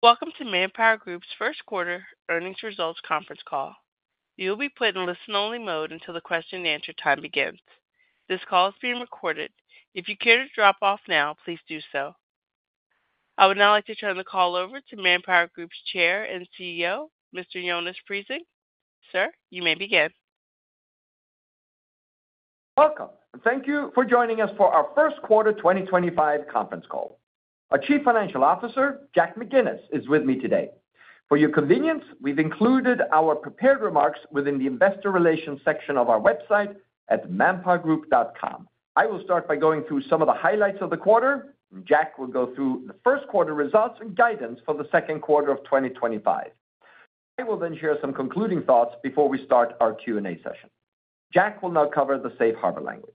Welcome to ManpowerGroup's first quarter earnings results conference call. You'll be put in listen-only mode until the question-and-answer time begins. This call is being recorded. If you care to drop off now, please do so. I would now like to turn the call over to ManpowerGroup's Chair and CEO, Mr. Jonas Prising. Sir, you may begin. Welcome. Thank you for joining us for our first quarter 2025 conference call. Our Chief Financial Officer, Jack McGinnis, is with me today. For your convenience, we've included our prepared remarks within the investor relations section of our website at manpowergroup.com. I will start by going through some of the highlights of the quarter, and Jack will go through the first quarter results and guidance for the second quarter of 2025. I will then share some concluding thoughts before we start our Q&A session. Jack will now cover the safe harbor language.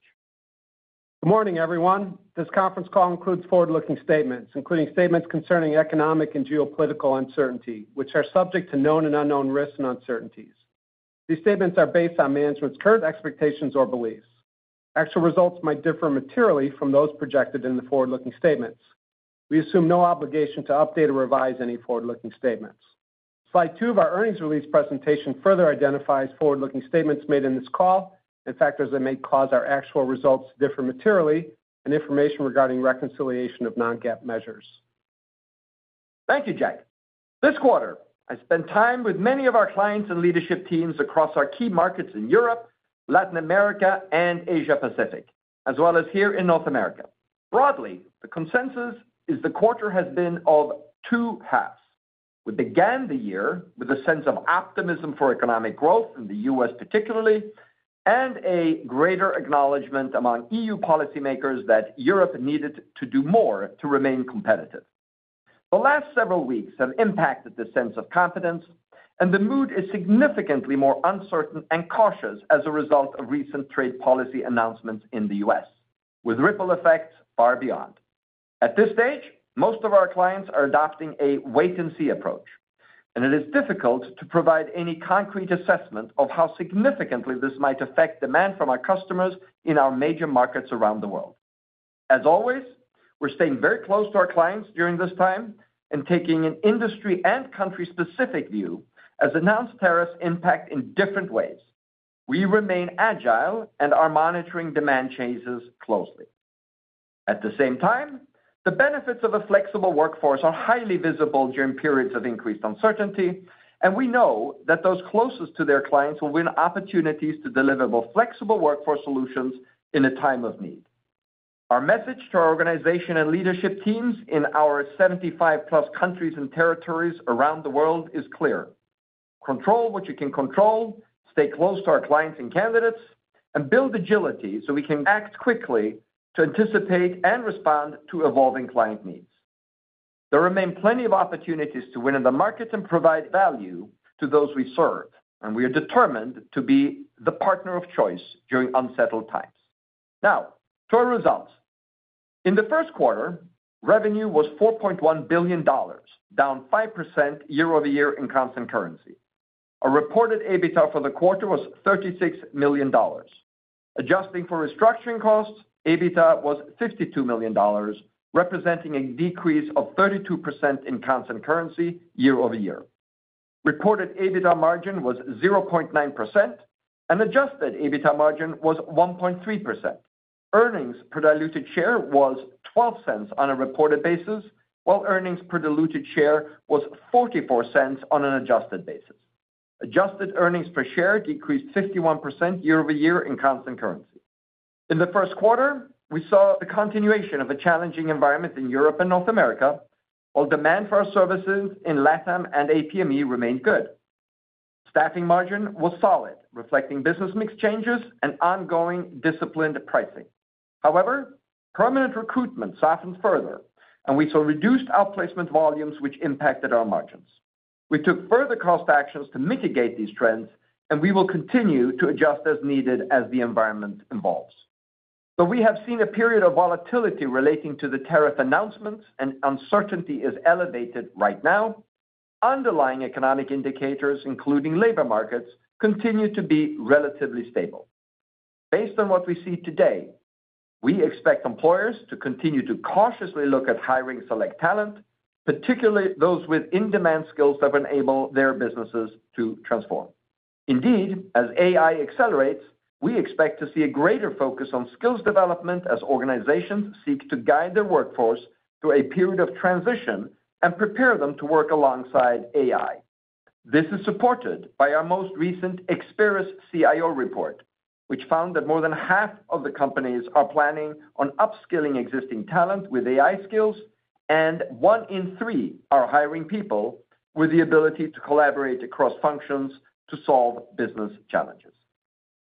Good morning, everyone. This conference call includes forward-looking statements, including statements concerning economic and geopolitical uncertainty, which are subject to known and unknown risks and uncertainties. These statements are based on management's current expectations or beliefs. Actual results might differ materially from those projected in the forward-looking statements. We assume no obligation to update or revise any forward-looking statements. Slide two of our earnings release presentation further identifies forward-looking statements made in this call and factors that may cause our actual results to differ materially and information regarding reconciliation of non-GAAP measures. Thank you, Jack. This quarter, I spent time with many of our clients and leadership teams across our key markets in Europe, Latin America, and Asia-Pacific, as well as here in North America. Broadly, the consensus is the quarter has been of two halves, with the year began with a sense of optimism for economic growth in the U.S. particularly, and a greater acknowledgment among EU policymakers that Europe needed to do more to remain competitive. The last several weeks have impacted the sense of confidence, and the mood is significantly more uncertain and cautious as a result of recent trade policy announcements in the U.S., with ripple effects far beyond. At this stage, most of our clients are adopting a wait-and-see approach, and it is difficult to provide any concrete assessment of how significantly this might affect demand from our customers in our major markets around the world. As always, we're staying very close to our clients during this time and taking an industry and country-specific view as announced tariffs impact in different ways. We remain agile and are monitoring demand changes closely. At the same time, the benefits of a flexible workforce are highly visible during periods of increased uncertainty, and we know that those closest to their clients will win opportunities to deliver more flexible workforce solutions in a time of need. Our message to our organization and leadership teams in our 75+ countries and territories around the world is clear: control what you can control, stay close to our clients and candidates, and build agility so we can act quickly to anticipate and respond to evolving client needs. There remain plenty of opportunities to win in the market and provide value to those we serve, and we are determined to be the partner of choice during unsettled times. Now, to our results. In the first quarter, revenue was $4.1 billion, down 5% year-over-year in constant currency. Reported EBITDA for the quarter was $36 million. Adjusting for restructuring costs, EBITDA was $52 million, representing a decrease of 32% in constant currency year-over-year. Reported EBITDA margin was 0.9%, and adjusted EBITDA margin was 1.3%. Earnings per diluted share was $0.12 on a reported basis, while earnings per diluted share was $0.44 on an adjusted basis. Adjusted earnings per share decreased 51% year-over-year in constant currency. In the first quarter, we saw the continuation of a challenging environment in Europe and North America, while demand for our services in Latin America and Asia-Pacific Middle East remained good. Staffing margin was solid, reflecting business mix changes and ongoing disciplined pricing. However, permanent recruitment softened further, and we saw reduced outplacement volumes, which impacted our margins. We took further cost actions to mitigate these trends, and we will continue to adjust as needed as the environment evolves. Though we have seen a period of volatility relating to the tariff announcements and uncertainty is elevated right now, underlying economic indicators, including labor markets, continue to be relatively stable. Based on what we see today, we expect employers to continue to cautiously look at hiring select talent, particularly those with in-demand skills that enable their businesses to transform. Indeed, as AI accelerates, we expect to see a greater focus on skills development as organizations seek to guide their workforce through a period of transition and prepare them to work alongside AI. This is supported by our most recent Experis CIO report, which found that more than half of the companies are planning on upskilling existing talent with AI skills, and one in three are hiring people with the ability to collaborate across functions to solve business challenges.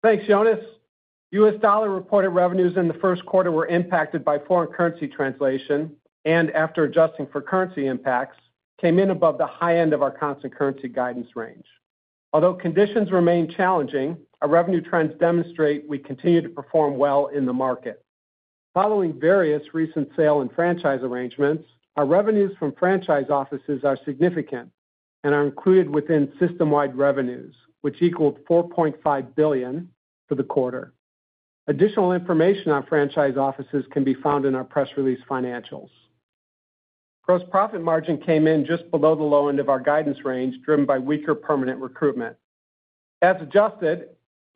Thanks, Jonas. U.S. dollar reported revenues in the first quarter were impacted by foreign currency translation and, after adjusting for currency impacts, came in above the high end of our constant currency guidance range. Although conditions remain challenging, our revenue trends demonstrate we continue to perform well in the market. Following various recent sale and franchise arrangements, our revenues from franchise offices are significant and are included within system-wide revenues, which equaled $4.5 billion for the quarter. Additional information on franchise offices can be found in our press release financials. Gross profit margin came in just below the low end of our guidance range, driven by weaker permanent recruitment. As adjusted,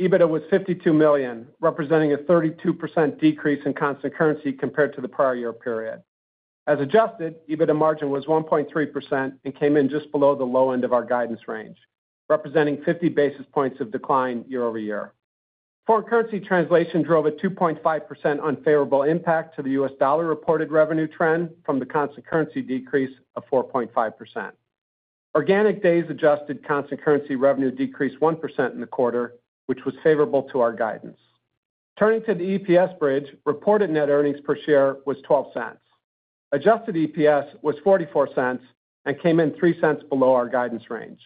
EBITDA was $52 million, representing a 32% decrease in constant currency compared to the prior year period. As adjusted, EBITDA margin was 1.3% and came in just below the low end of our guidance range, representing 50 basis points of decline year-over-year. Foreign currency translation drove a 2.5% unfavorable impact to the U.S. dollar reported revenue trend from the constant currency decrease of 4.5%. Organic days adjusted constant currency revenue decreased 1% in the quarter, which was favorable to our guidance. Turning to the EPS bridge, reported net earnings per share was $0.12. Adjusted EPS was $0.44 and came in $0.03 below our guidance range.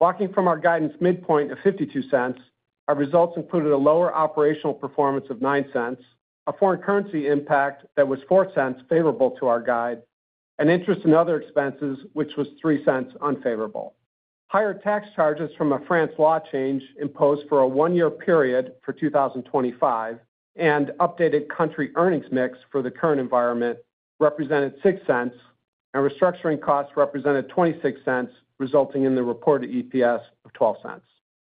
Walking from our guidance midpoint of $0.52, our results included a lower operational performance of $0.09, a foreign currency impact that was $0.04 favorable to our guide, and interest and other expenses, which was $0.03 unfavorable. Higher tax charges from a France law change imposed for a one-year period for 2025 and updated country earnings mix for the current environment represented $0.06, and restructuring costs represented $0.26, resulting in the reported EPS of $0.12.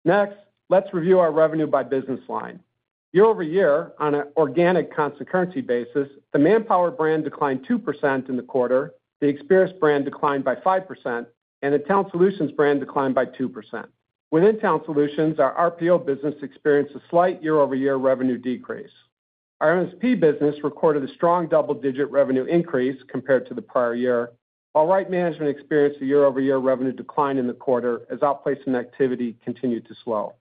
Next, let's review our revenue by business line. Year-over-year, on an organic constant currency basis, the Manpower brand declined 2% in the quarter, the Experis brand declined by 5%, and the Talent Solutions brand declined by 2%. Within Talent Solutions, our RPO business experienced a slight year-over-year revenue decrease. Our MSP business recorded a strong double-digit revenue increase compared to the prior year, while Right Management experienced a year-over-year revenue decline in the quarter as outplacement activity continued to slow.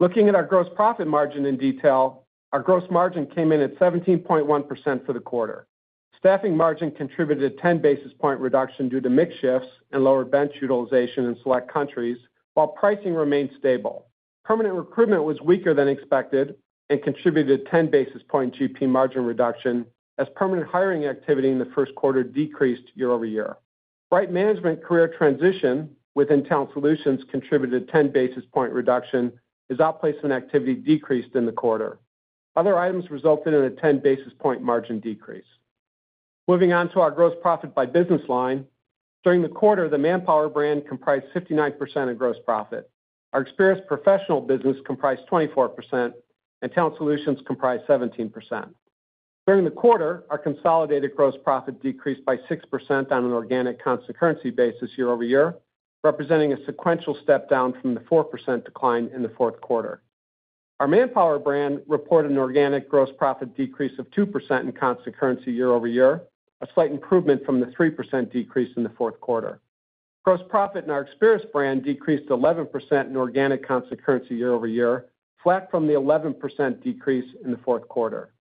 Looking at our gross profit margin in detail, our gross margin came in at 17.1% for the quarter. Staffing margin contributed a 10 basis point reduction due to mix shifts and lower bench utilization in select countries, while pricing remained stable. Permanent recruitment was weaker than expected and contributed a 10 basis point GP margin reduction as permanent hiring activity in the first quarter decreased year-over-year. Right Management career transition within Talent Solutions contributed a 10 basis point reduction as outplacement activity decreased in the quarter. Other items resulted in a 10 basis point margin decrease. Moving on to our gross profit by business line, during the quarter, the Manpower brand comprised 59% of gross profit. Our Experis professional business comprised 24%, and Talent Solutions comprised 17%. During the quarter, our consolidated gross profit decreased by 6% on an organic constant currency basis year-over-year, representing a sequential step down from the 4% decline in the fourth quarter. Our Manpower brand reported an organic gross profit decrease of 2% in constant currency year-over-year, a slight improvement from the 3% decrease in the fourth quarter. Gross profit in our Experis brand decreased 11% in organic constant currency year-over-year, flat from the 11% decrease in the fourth quarter.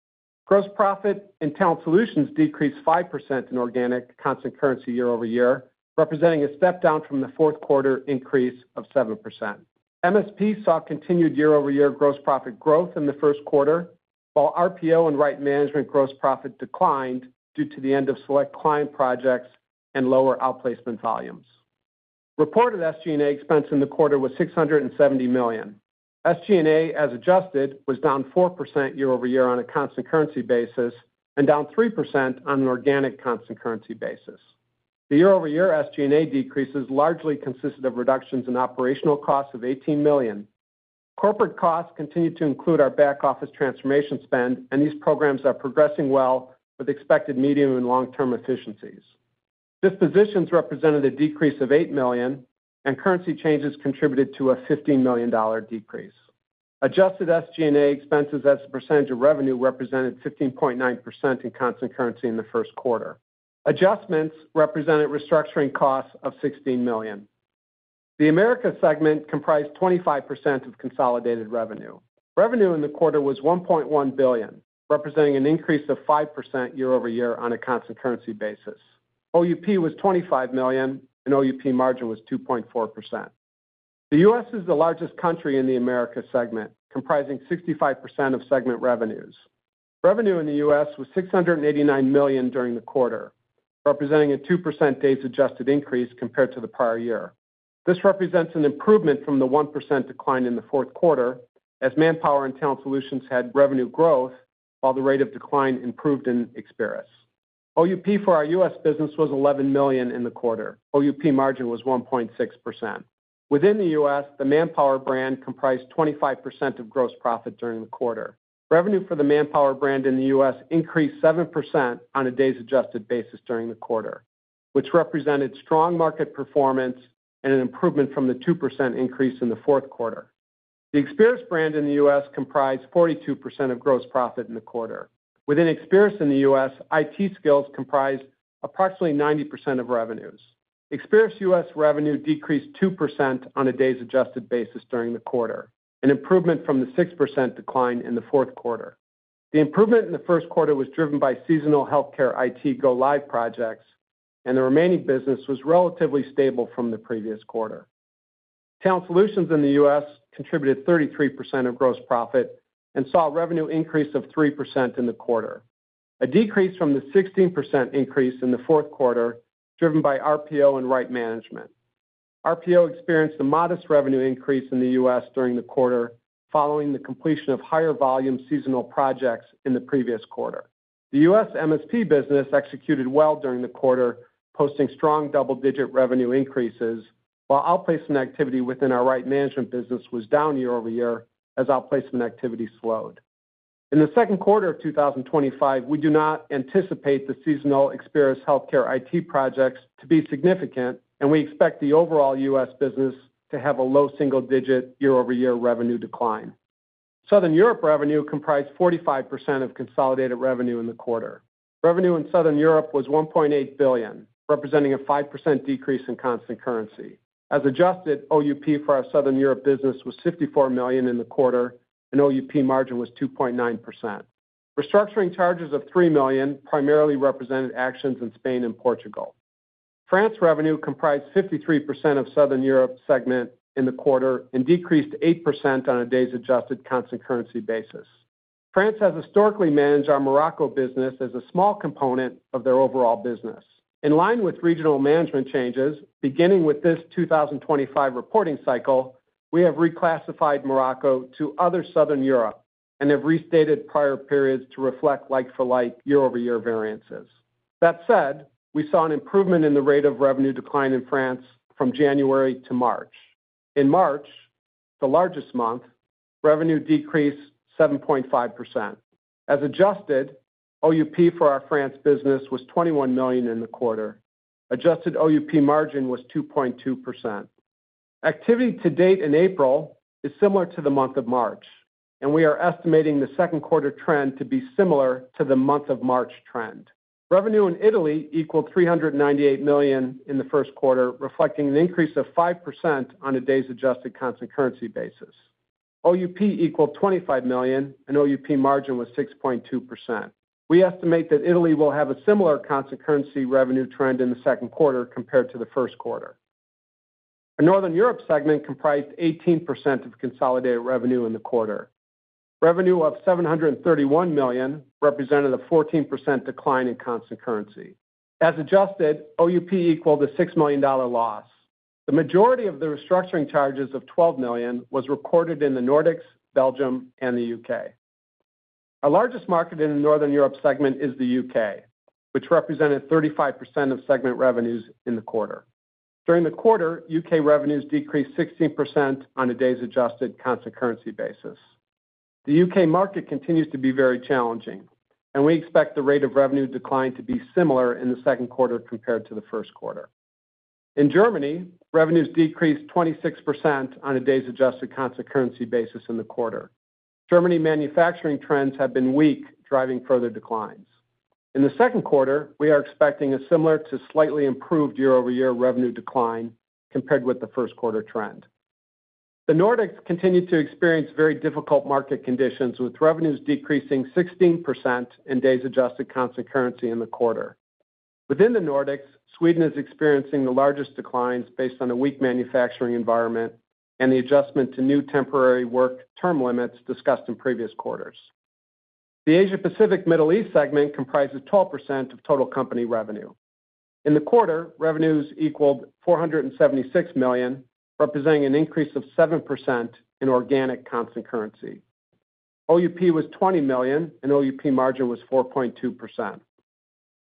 Gross profit in Talent Solutions decreased 5% in organic constant currency year-over-year, representing a step down from the fourth quarter increase of 7%. MSP saw continued year-over-year gross profit growth in the first quarter, while RPO and Right Management gross profit declined due to the end of select client projects and lower outplacement volumes. Reported SG&A expense in the quarter was $670 million. SG&A, as adjusted, was down 4% year-over-year on a constant currency basis and down 3% on an organic constant currency basis. The year-over-year SG&A decreases largely consisted of reductions in operational costs of $18 million. Corporate costs continue to include our back office transformation spend, and these programs are progressing well with expected medium and long-term efficiencies. Dispositions represented a decrease of $8 million, and currency changes contributed to a $15 million decrease. Adjusted SG&A expenses as a percentage of revenue represented 15.9% in constant currency in the first quarter. Adjustments represented restructuring costs of $16 million. The America segment comprised 25% of consolidated revenue. Revenue in the quarter was $1.1 billion, representing an increase of 5% year-over-year on a constant currency basis. OUP was $25 million, and OUP margin was 2.4%. The U.S. is the largest country in the America segment, comprising 65% of segment revenues. Revenue in the U.S. was $689 million during the quarter, representing a 2% days-adjusted increase compared to the prior year. This represents an improvement from the 1% decline in the fourth quarter, as Manpower and Talent Solutions had revenue growth, while the rate of decline improved in Experis. OUP for our U.S. business was $11 million in the quarter. OUP margin was 1.6%. Within the U.S., the Manpower brand comprised 25% of gross profit during the quarter. Revenue for the Manpower brand in the U.S. increased 7% on a days-adjusted basis during the quarter, which represented strong market performance and an improvement from the 2% increase in the fourth quarter. The Experis brand in the U.S. comprised 42% of gross profit in the quarter. Within Experis in the U.S., IT skills comprised approximately 90% of revenues. Experis U.S. revenue decreased 2% on a days-adjusted basis during the quarter, an improvement from the 6% decline in the fourth quarter. The improvement in the first quarter was driven by seasonal healthcare IT go-live projects, and the remaining business was relatively stable from the previous quarter. Talent Solutions in the U.S. contributed 33% of gross profit and saw a revenue increase of 3% in the quarter, a decrease from the 16% increase in the fourth quarter driven by RPO and Right Management. RPO experienced a modest revenue increase in the U.S. during the quarter following the completion of higher volume seasonal projects in the previous quarter. The U.S. MSP business executed well during the quarter, posting strong double-digit revenue increases, while outplacement activity within our Right Management business was down year-over-year as outplacement activity slowed. In the second quarter of 2025, we do not anticipate the seasonal Experis healthcare IT projects to be significant, and we expect the overall U.S. business to have a low single-digit year-over-year revenue decline. Southern Europe revenue comprised 45% of consolidated revenue in the quarter. Revenue in Southern Europe was $1.8 billion, representing a 5% decrease in constant currency. As adjusted, OUP for our Southern Europe business was $54 million in the quarter, and OUP margin was 2.9%. Restructuring charges of $3 million primarily represented actions in Spain and Portugal. France revenue comprised 53% of Southern Europe segment in the quarter and decreased 8% on a days-adjusted constant currency basis. France has historically managed our Morocco business as a small component of their overall business. In line with regional management changes, beginning with this 2025 reporting cycle, we have reclassified Morocco to Other Southern Europe and have restated prior periods to reflect like-for-like year-over-year variances. That said, we saw an improvement in the rate of revenue decline in France from January to March. In March, the largest month, revenue decreased 7.5%. As adjusted, OUP for our France business was $21 million in the quarter. Adjusted OUP margin was 2.2%. Activity to date in April is similar to the month of March, and we are estimating the second quarter trend to be similar to the month of March trend. Revenue in Italy equaled $398 million in the first quarter, reflecting an increase of 5% on a days-adjusted constant currency basis. OUP equaled $25 million, and OUP margin was 6.2%. We estimate that Italy will have a similar constant currency revenue trend in the second quarter compared to the first quarter. Our Northern Europe segment comprised 18% of consolidated revenue in the quarter. Revenue of $731 million represented a 14% decline in constant currency. As adjusted, OUP equaled a $6 million loss. The majority of the restructuring charges of $12 million was recorded in the Nordics, Belgium, and the U.K. Our largest market in the Northern Europe segment is the U.K., which represented 35% of segment revenues in the quarter. During the quarter, U.K. revenues decreased 16% on a days-adjusted constant currency basis. The U.K. market continues to be very challenging, and we expect the rate of revenue decline to be similar in the second quarter compared to the first quarter. In Germany, revenues decreased 26% on a days-adjusted constant currency basis in the quarter. Germany manufacturing trends have been weak, driving further declines. In the second quarter, we are expecting a similar to slightly improved year-over-year revenue decline compared with the first quarter trend. The Nordics continue to experience very difficult market conditions, with revenues decreasing 16% in days-adjusted constant currency in the quarter. Within the Nordics, Sweden is experiencing the largest declines based on a weak manufacturing environment and the adjustment to new temporary work term limits discussed in previous quarters. The Asia-Pacific Middle East segment comprises 12% of total company revenue. In the quarter, revenues equaled $476 million, representing an increase of 7% in organic constant currency. OUP was $20 million, and OUP margin was 4.2%.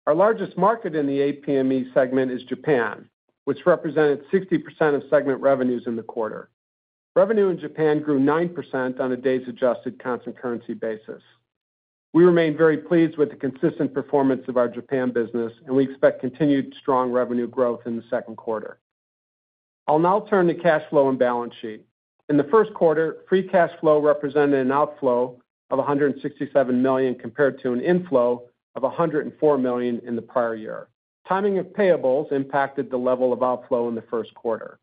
Our largest market in the APME segment is Japan, which represented 60% of segment revenues in the quarter. Revenue in Japan grew 9% on a days-adjusted constant currency basis. We remain very pleased with the consistent performance of our Japan business, and we expect continued strong revenue growth in the second quarter. I'll now turn to cash flow and balance sheet. In the first quarter, free cash flow represented an outflow of $167 million compared to an inflow of $104 million in the prior year. Timing of payables impacted the level of outflow in the first quarter.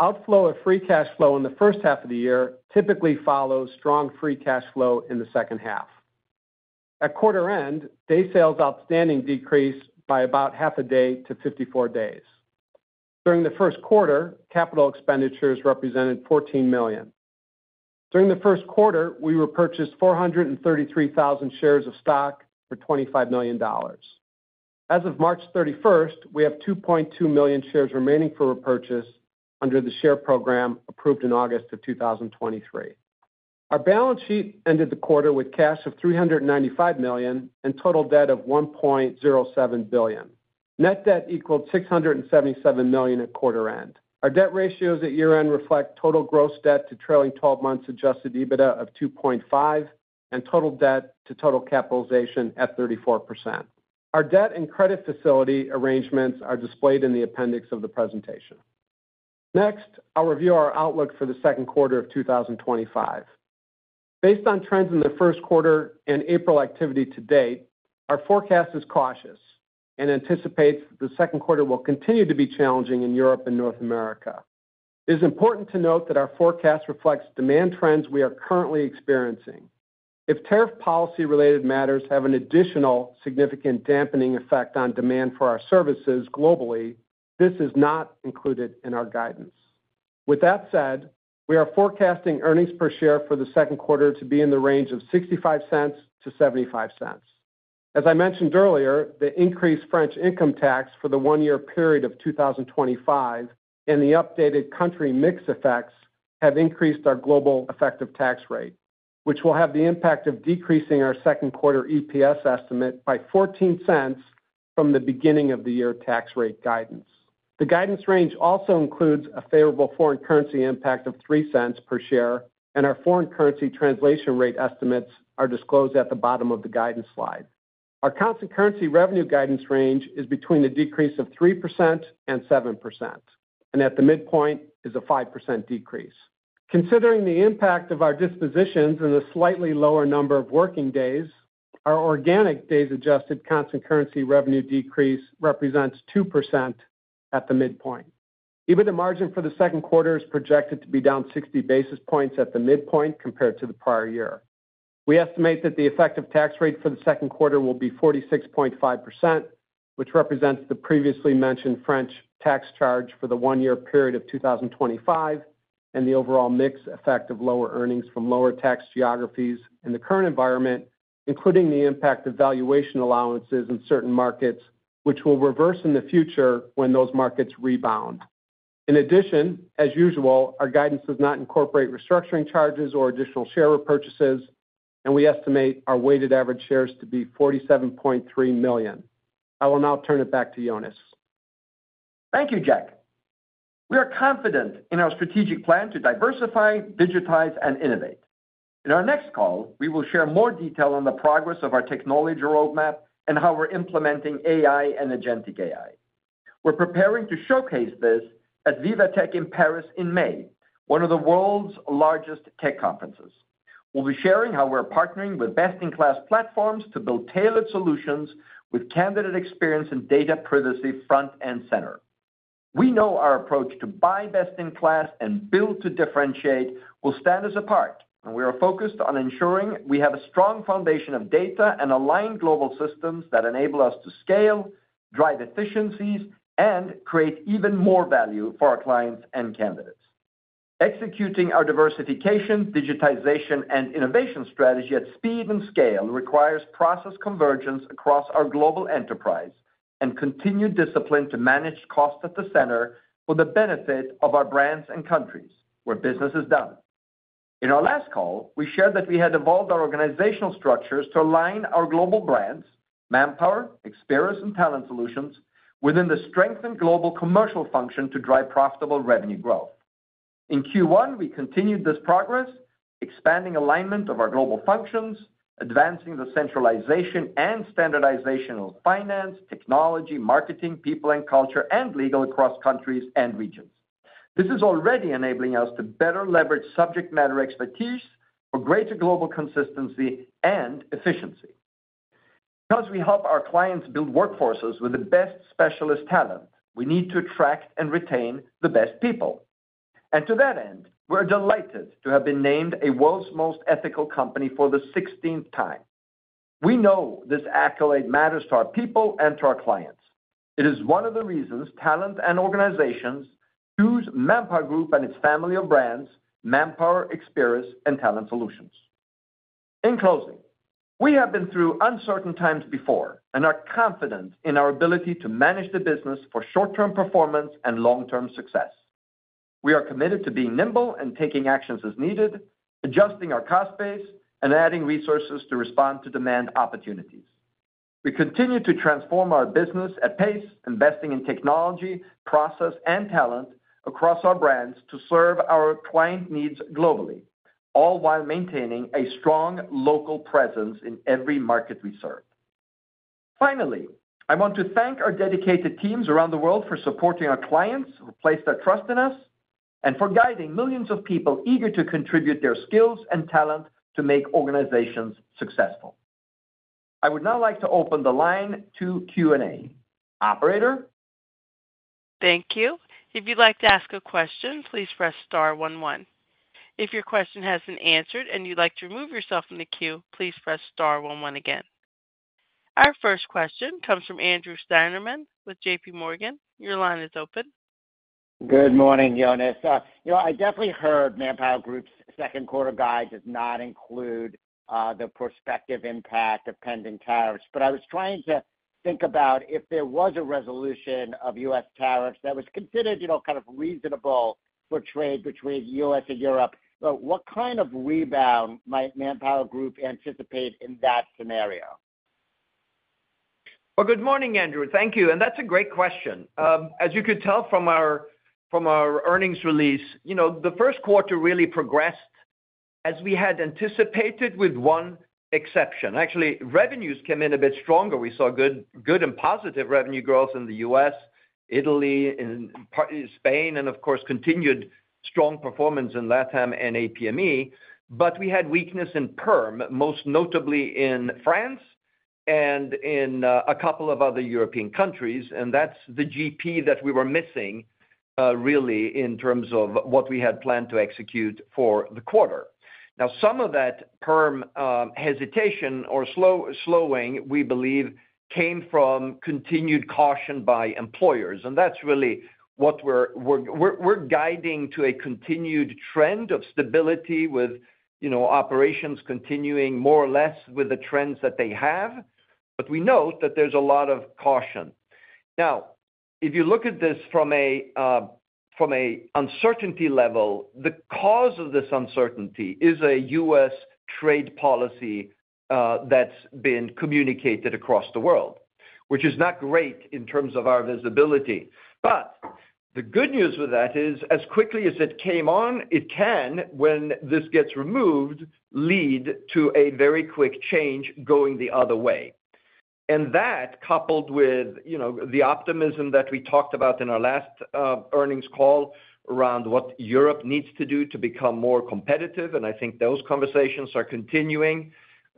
Outflow of free cash flow in the first half of the year typically follows strong free cash flow in the second half. At quarter end, day sales outstanding decreased by about half a day to 54 days. During the first quarter, capital expenditures represented $14 million. During the first quarter, we repurchased 433,000 shares of stock for $25 million. As of March 31st, we have 2.2 million shares remaining for repurchase under the share program approved in August of 2023. Our balance sheet ended the quarter with cash of $395 million and total debt of $1.07 billion. Net debt equaled $677 million at quarter end. Our debt ratios at year-end reflect total gross debt to trailing 12 months adjusted EBITDA of 2.5 and total debt to total capitalization at 34%. Our debt and credit facility arrangements are displayed in the appendix of the presentation. Next, I'll review our outlook for the second quarter of 2025. Based on trends in the first quarter and April activity to date, our forecast is cautious and anticipates that the second quarter will continue to be challenging in Europe and North America. It is important to note that our forecast reflects demand trends we are currently experiencing. If tariff policy-related matters have an additional significant dampening effect on demand for our services globally, this is not included in our guidance. With that said, we are forecasting earnings per share for the second quarter to be in the range of $0.65-$0.75. As I mentioned earlier, the increased French income tax for the one-year period of 2025 and the updated country mix effects have increased our global effective tax rate, which will have the impact of decreasing our second quarter EPS estimate by $0.14 from the beginning of the year tax rate guidance. The guidance range also includes a favorable foreign currency impact of $0.03 per share, and our foreign currency translation rate estimates are disclosed at the bottom of the guidance slide. Our constant currency revenue guidance range is between a decrease of 3% and 7%, and at the midpoint is a 5% decrease. Considering the impact of our dispositions and the slightly lower number of working days, our organic days-adjusted constant currency revenue decrease represents 2% at the midpoint. EBITDA margin for the second quarter is projected to be down 60 basis points at the midpoint compared to the prior year. We estimate that the effective tax rate for the second quarter will be 46.5%, which represents the previously mentioned French tax charge for the one-year period of 2025 and the overall mix effect of lower earnings from lower tax geographies in the current environment, including the impact of valuation allowances in certain markets, which will reverse in the future when those markets rebound. In addition, as usual, our guidance does not incorporate restructuring charges or additional share repurchases, and we estimate our weighted average shares to be $47.3 million. I will now turn it back to Jonas. Thank you, Jack. We are confident in our strategic plan to diversify, digitize, and innovate. In our next call, we will share more detail on the progress of our technology roadmap and how we're implementing AI and agentic AI. We're preparing to showcase this at VivaTech in Paris in May, one of the world's largest tech conferences. We'll be sharing how we're partnering with best-in-class platforms to build tailored solutions with candidate experience and data privacy front and center. We know our approach to buy best-in-class and build to differentiate will stand us apart, and we are focused on ensuring we have a strong foundation of data and aligned global systems that enable us to scale, drive efficiencies, and create even more value for our clients and candidates. Executing our diversification, digitization, and innovation strategy at speed and scale requires process convergence across our global enterprise and continued discipline to manage cost at the center for the benefit of our brands and countries, where business is done. In our last call, we shared that we had evolved our organizational structures to align our global brands, Manpower, Experis, and Talent Solutions within the strengthened global commercial function to drive profitable revenue growth. In Q1, we continued this progress, expanding alignment of our global functions, advancing the centralization and standardization of finance, technology, marketing, people and culture, and legal across countries and regions. This is already enabling us to better leverage subject matter expertise for greater global consistency and efficiency. Because we help our clients build workforces with the best specialist talent, we need to attract and retain the best people. To that end, we're delighted to have been named a world's most ethical company for the 16th time. We know this accolade matters to our people and to our clients. It is one of the reasons talent and organizations choose ManpowerGroup and its family of brands, Manpower, Experis, and Talent Solutions. In closing, we have been through uncertain times before and are confident in our ability to manage the business for short-term performance and long-term success. We are committed to being nimble and taking actions as needed, adjusting our cost base, and adding resources to respond to demand opportunities. We continue to transform our business at pace, investing in technology, process, and talent across our brands to serve our client needs globally, all while maintaining a strong local presence in every market we serve. Finally, I want to thank our dedicated teams around the world for supporting our clients who placed their trust in us and for guiding millions of people eager to contribute their skills and talent to make organizations successful. I would now like to open the line to Q&A. Operator? Thank you. If you'd like to ask a question, please press star one one. If your question hasn't answered and you'd like to remove yourself from the queue, please press star one one again. Our first question comes from Andrew Steinerman with JPMorgan. Your line is open. Good morning, Jonas. You know, I definitely heard ManpowerGroup's second quarter guide does not include the prospective impact of pending tariffs, but I was trying to think about if there was a resolution of U.S. tariffs that was considered, you know, kind of reasonable for trade between the U.S. and Europe. What kind of rebound might ManpowerGroup anticipate in that scenario? Good morning, Andrew. Thank you. That's a great question. As you could tell from our earnings release, you know, the first quarter really progressed as we had anticipated with one exception. Actually, revenues came in a bit stronger. We saw good and positive revenue growth in the U.S., Italy, and partly Spain, and of course, continued strong performance in Latin and APME. We had weakness in PERM, most notably in France and in a couple of other European countries, and that's the GP that we were missing, really, in terms of what we had planned to execute for the quarter. Now, some of that PERM hesitation or slowing, we believe, came from continued caution by employers, and that's really what we're guiding to, a continued trend of stability with, you know, operations continuing more or less with the trends that they have, but we note that there's a lot of caution. Now, if you look at this from an uncertainty level, the cause of this uncertainty is a U.S. trade policy that's been communicated across the world, which is not great in terms of our visibility. The good news with that is, as quickly as it came on, it can, when this gets removed, lead to a very quick change going the other way. That, coupled with, you know, the optimism that we talked about in our last earnings call around what Europe needs to do to become more competitive, and I think those conversations are continuing.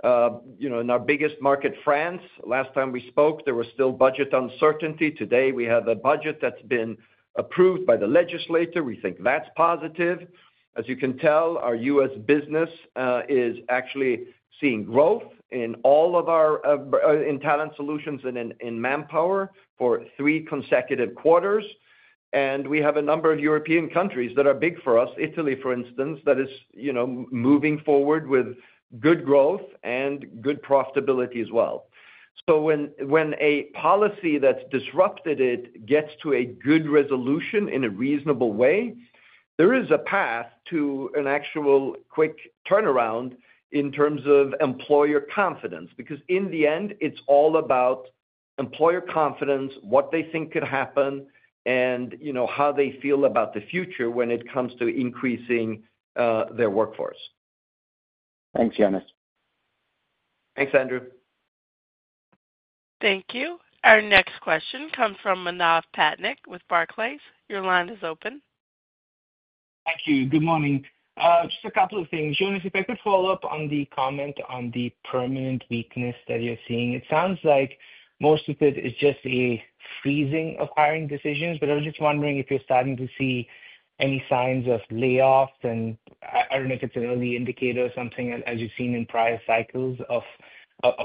You know, in our biggest market, France, last time we spoke, there was still budget uncertainty. Today, we have a budget that's been approved by the legislature. We think that's positive. As you can tell, our U.S. business is actually seeing growth in all of our Talent Solutions and in Manpower for three consecutive quarters. We have a number of European countries that are big for us, Italy, for instance, that is, you know, moving forward with good growth and good profitability as well. When a policy that's disrupted it gets to a good resolution in a reasonable way, there is a path to an actual quick turnaround in terms of employer confidence, because in the end, it's all about employer confidence, what they think could happen, and, you know, how they feel about the future when it comes to increasing their workforce. Thanks, Jonas. Thanks, Andrew. Thank you. Our next question comes from Manav Patnaik with Barclays. Your line is open. Thank you. Good morning. Just a couple of things. Jonas, if I could follow up on the comment on the permanent weakness that you're seeing. It sounds like most of it is just a freezing of hiring decisions, but I'm just wondering if you're starting to see any signs of layoffs, and I don't know if it's an early indicator or something, as you've seen in prior cycles of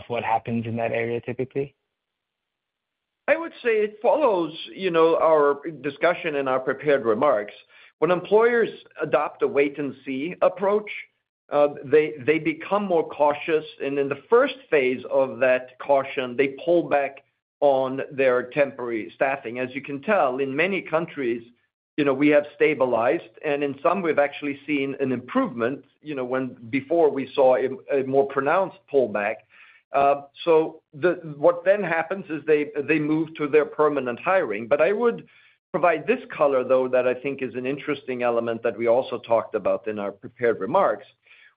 what happens in that area typically. I would say it follows, you know, our discussion and our prepared remarks. When employers adopt a wait-and-see approach, they become more cautious, and in the first phase of that caution, they pull back on their temporary staffing. As you can tell, in many countries, you know, we have stabilized, and in some, we've actually seen an improvement, you know, when before we saw a more pronounced pullback. What then happens is they move to their permanent hiring. I would provide this color, though, that I think is an interesting element that we also talked about in our prepared remarks,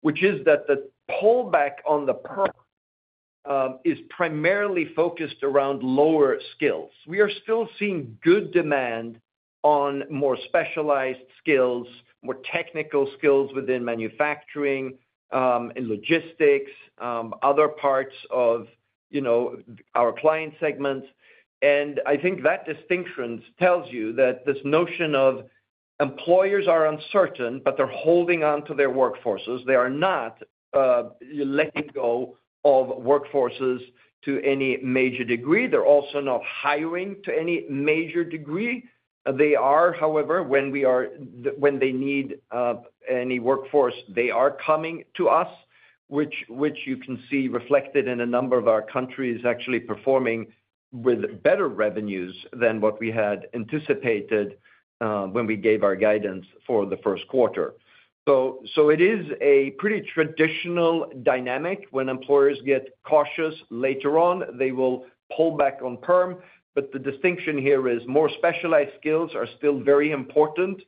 which is that the pullback on the PERM is primarily focused around lower skills. We are still seeing good demand on more specialized skills, more technical skills within manufacturing and logistics, other parts of, you know, our client segments. I think that distinction tells you that this notion of employers are uncertain, but they're holding on to their workforces. They are not letting go of workforces to any major degree. They're also not hiring to any major degree. They are, however, when they need any workforce, they are coming to us, which you can see reflected in a number of our countries actually performing with better revenues than what we had anticipated when we gave our guidance for the first quarter. It is a pretty traditional dynamic. When employers get cautious later on, they will pull back on PERM, but the distinction here is more specialized skills are still very important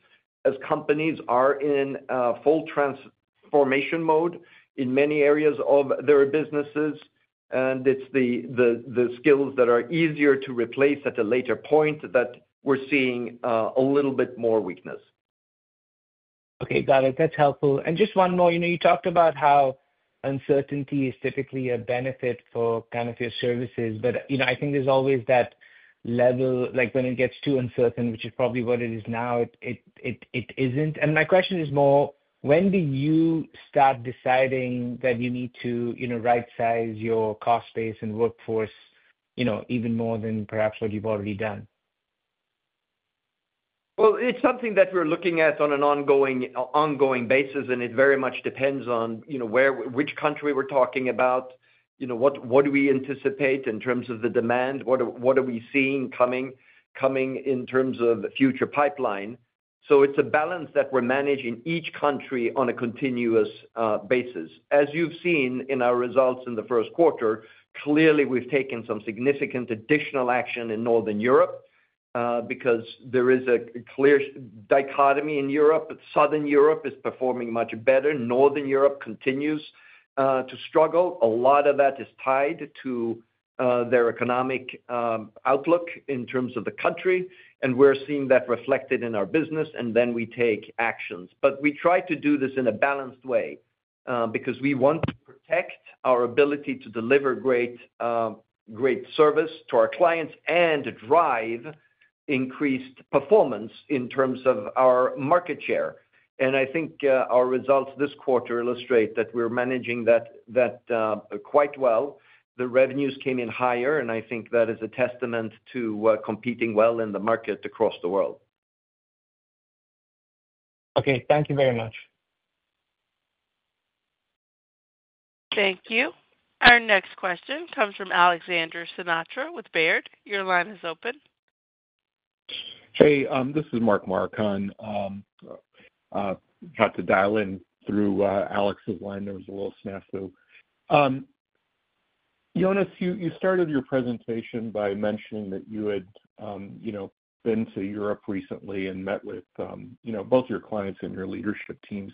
as companies are in full transformation mode in many areas of their businesses, and it is the skills that are easier to replace at a later point that we are seeing a little bit more weakness. Okay. Got it. That's helpful. Just one more, you know, you talked about how uncertainty is typically a benefit for kind of your services, but, you know, I think there's always that level, like when it gets too uncertain, which is probably what it is now, it isn't. My question is more, when do you start deciding that you need to, you know, right-size your cost base and workforce, you know, even more than perhaps what you've already done? It's something that we're looking at on an ongoing basis, and it very much depends on, you know, which country we're talking about, you know, what do we anticipate in terms of the demand, what are we seeing coming in terms of future pipeline. It's a balance that we're managing each country on a continuous basis. As you've seen in our results in the first quarter, clearly we've taken some significant additional action in Northern Europe because there is a clear dichotomy in Europe. Southern Europe is performing much better. Northern Europe continues to struggle. A lot of that is tied to their economic outlook in terms of the country, and we're seeing that reflected in our business, and we take actions. We try to do this in a balanced way because we want to protect our ability to deliver great service to our clients and drive increased performance in terms of our market share. I think our results this quarter illustrate that we're managing that quite well. The revenues came in higher, and I think that is a testament to competing well in the market across the world. Okay. Thank you very much. Thank you. Our next question comes from Alexander Sinatra with Baird. Your line is open. Hey, this is Mark Morricone. I had to dial in through Alex's line. There was a little snafu. Jonas, you started your presentation by mentioning that you had, you know, been to Europe recently and met with, you know, both your clients and your leadership teams.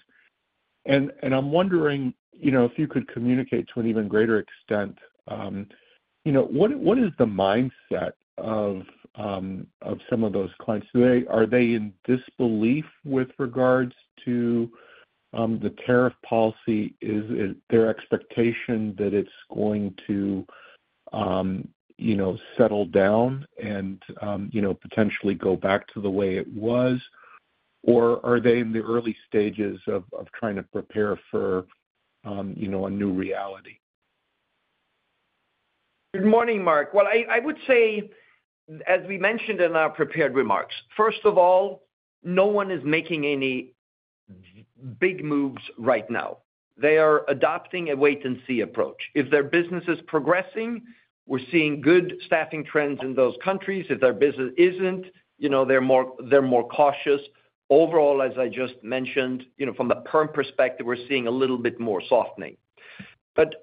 And I'm wondering, you know, if you could communicate to an even greater extent, you know, what is the mindset of some of those clients? Are they in disbelief with regards to the tariff policy? Is it their expectation that it's going to, you know, settle down and, you know, potentially go back to the way it was, or are they in the early stages of trying to prepare for, you know, a new reality? Good morning, Mark. As we mentioned in our prepared remarks, first of all, no one is making any big moves right now. They are adopting a wait-and-see approach. If their business is progressing, we're seeing good staffing trends in those countries. If their business isn't, you know, they're more cautious. Overall, as I just mentioned, you know, from the PERM perspective, we're seeing a little bit more softening.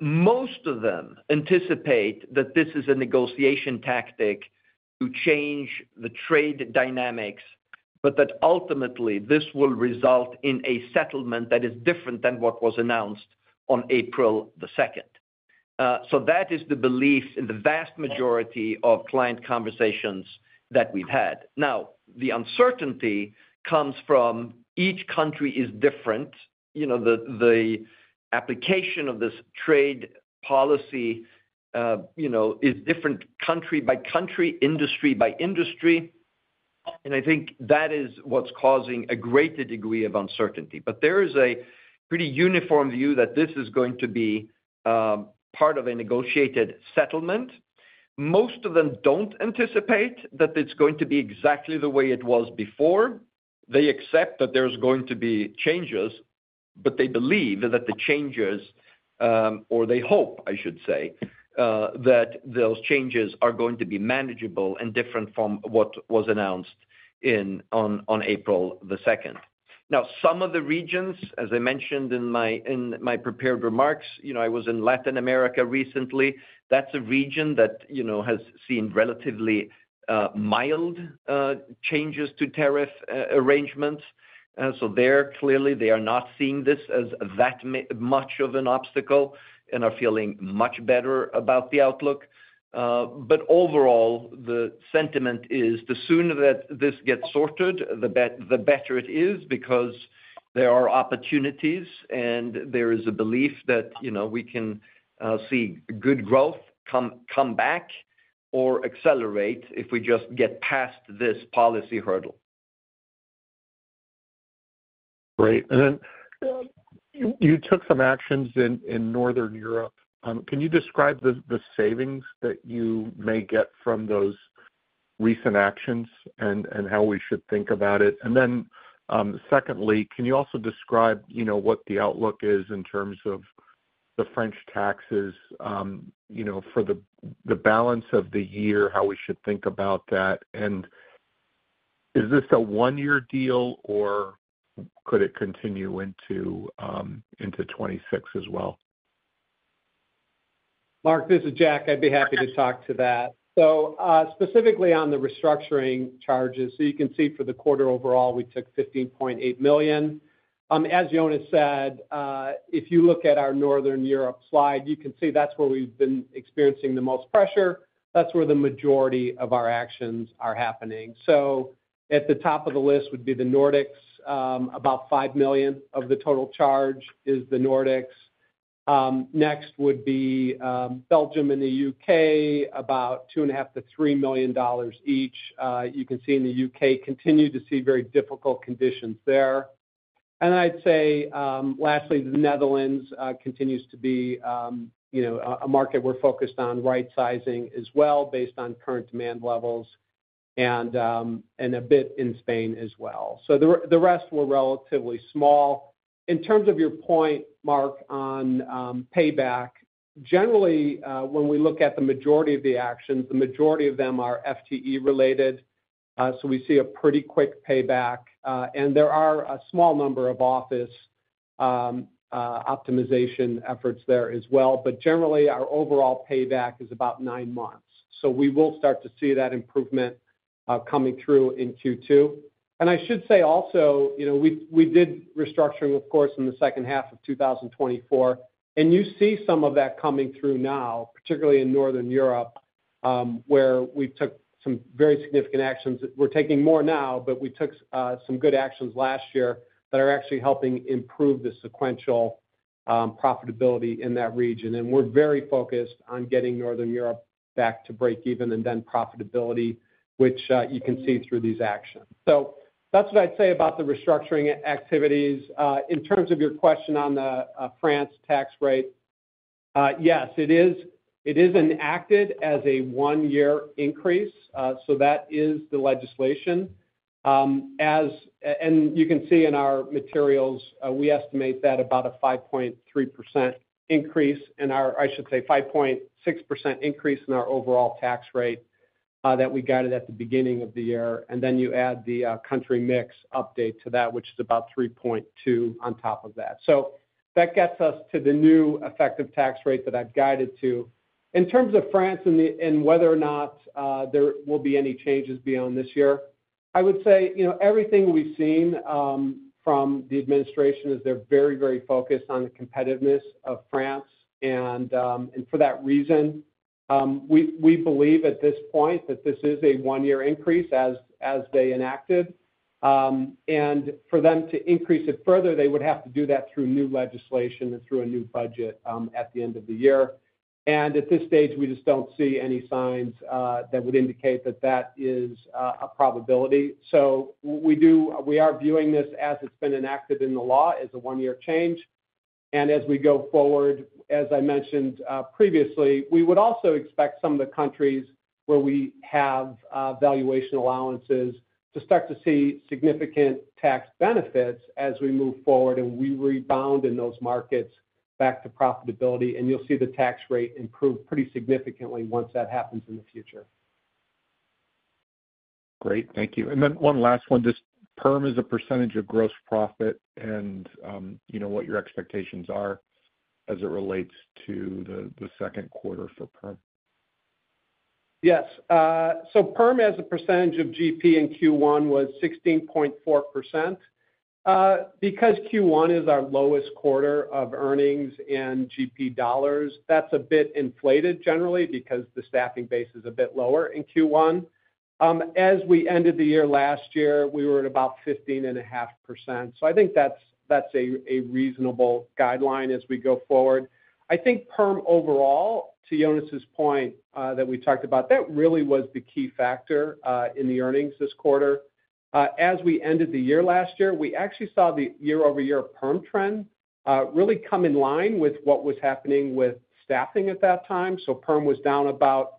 Most of them anticipate that this is a negotiation tactic to change the trade dynamics, that ultimately this will result in a settlement that is different than what was announced on April the 2nd. That is the belief in the vast majority of client conversations that we've had. The uncertainty comes from each country is different. You know, the application of this trade policy, you know, is different country by country, industry by industry, and I think that is what's causing a greater degree of uncertainty. There is a pretty uniform view that this is going to be part of a negotiated settlement. Most of them don't anticipate that it's going to be exactly the way it was before. They accept that there's going to be changes, but they believe that the changes, or they hope, I should say, that those changes are going to be manageable and different from what was announced on April the 2nd. Now, some of the regions, as I mentioned in my prepared remarks, you know, I was in Latin America recently. That's a region that, you know, has seen relatively mild changes to tariff arrangements. Clearly, they are not seeing this as that much of an obstacle and are feeling much better about the outlook. Overall, the sentiment is the sooner that this gets sorted, the better it is because there are opportunities and there is a belief that, you know, we can see good growth come back or accelerate if we just get past this policy hurdle. Great. You took some actions in Northern Europe. Can you describe the savings that you may get from those recent actions and how we should think about it? Secondly, can you also describe, you know, what the outlook is in terms of the French taxes, you know, for the balance of the year, how we should think about that? Is this a one-year deal, or could it continue into 2026 as well? Mark, this is Jack. I'd be happy to talk to that. Specifically on the restructuring charges, you can see for the quarter overall, we took $15.8 million. As Jonas said, if you look at our Northern Europe slide, you can see that's where we've been experiencing the most pressure. That's where the majority of our actions are happening. At the top of the list would be the Nordics, about $5 million of the total charge is the Nordics. Next would be Belgium and the U.K., about $2.5-$3 million each. You can see in the U.K., continue to see very difficult conditions there. I'd say lastly, the Netherlands continues to be, you know, a market we're focused on right-sizing as well based on current demand levels and a bit in Spain as well. The rest were relatively small. In terms of your point, Mark, on payback, generally, when we look at the majority of the actions, the majority of them are FTE-related. We see a pretty quick payback, and there are a small number of office optimization efforts there as well. Generally, our overall payback is about nine months. We will start to see that improvement coming through in Q2. I should say also, you know, we did restructuring, of course, in the second half of 2024, and you see some of that coming through now, particularly in Northern Europe, where we took some very significant actions. We are taking more now, but we took some good actions last year that are actually helping improve the sequential profitability in that region. We are very focused on getting Northern Europe back to break-even and then profitability, which you can see through these actions. That is what I'd say about the restructuring activities. In terms of your question on the France tax rate, yes, it is enacted as a one-year increase. That is the legislation. You can see in our materials, we estimate about a 5.3% increase in our, I should say, 5.6% increase in our overall tax rate that we guided at the beginning of the year. Then you add the country mix update to that, which is about 3.2% on top of that. That gets us to the new effective tax rate that I've guided to. In terms of France and whether or not there will be any changes beyond this year, I would say, you know, everything we've seen from the administration is they're very, very focused on the competitiveness of France. For that reason, we believe at this point that this is a one-year increase as they enacted. For them to increase it further, they would have to do that through new legislation and through a new budget at the end of the year. At this stage, we just do not see any signs that would indicate that that is a probability. We are viewing this as it has been enacted in the law as a one-year change. As we go forward, as I mentioned previously, we would also expect some of the countries where we have valuation allowances to start to see significant tax benefits as we move forward and we rebound in those markets back to profitability. You will see the tax rate improve pretty significantly once that happens in the future. Great. Thank you. One last one, just PERM is a percentage of gross profit and, you know, what your expectations are as it relates to the second quarter for PERM. Yes. PERM as a percentage of GP in Q1 was 16.4%. Because Q1 is our lowest quarter of earnings and GP dollars, that's a bit inflated generally because the staffing base is a bit lower in Q1. As we ended the year last year, we were at about 15.5%. I think that's a reasonable guideline as we go forward. I think PERM overall, to Jonas's point that we talked about, that really was the key factor in the earnings this quarter. As we ended the year last year, we actually saw the year-over-year PERM trend really come in line with what was happening with staffing at that time. PERM was down about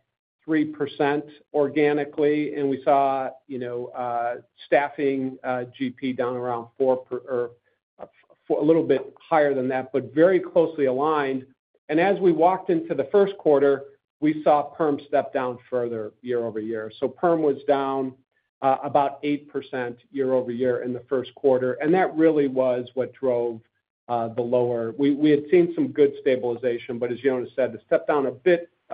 3% organically, and we saw, you know, staffing GP down around 4% or a little bit higher than that, but very closely aligned. As we walked into the first quarter, we saw PERM step down further year over year. PERM was down about 8% year over year in the first quarter. That really was what drove the lower. We had seen some good stabilization, but as Jonas said, it stepped down a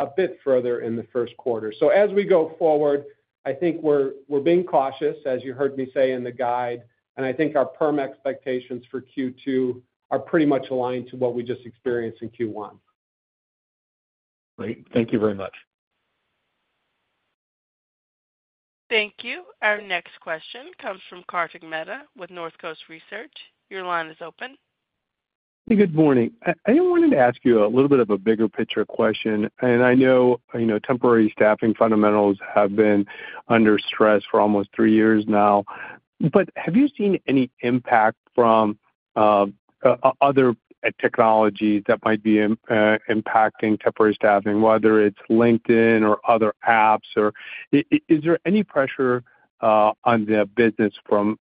bit further in the first quarter. As we go forward, I think we're being cautious, as you heard me say in the guide, and I think our PERM expectations for Q2 are pretty much aligned to what we just experienced in Q1. Great. Thank you very much. Thank you. Our next question comes from Kartik Mehta with Northcoast Research. Your line is open. Hey, good morning. I wanted to ask you a little bit of a bigger picture question. I know, you know, temporary staffing fundamentals have been under stress for almost three years now. Have you seen any impact from other technologies that might be impacting temporary staffing, whether it's LinkedIn or other apps? Is there any pressure on the business from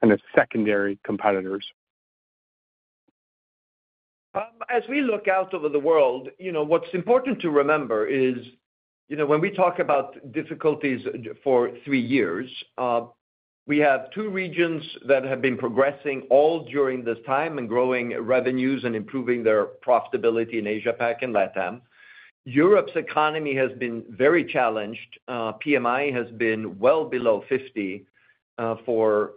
kind of secondary competitors? As we look out over the world, you know, what's important to remember is, you know, when we talk about difficulties for three years, we have two regions that have been progressing all during this time and growing revenues and improving their profitability in Asia-Pacific and Latin America. Europe's economy has been very challenged. PMI has been well below 50 for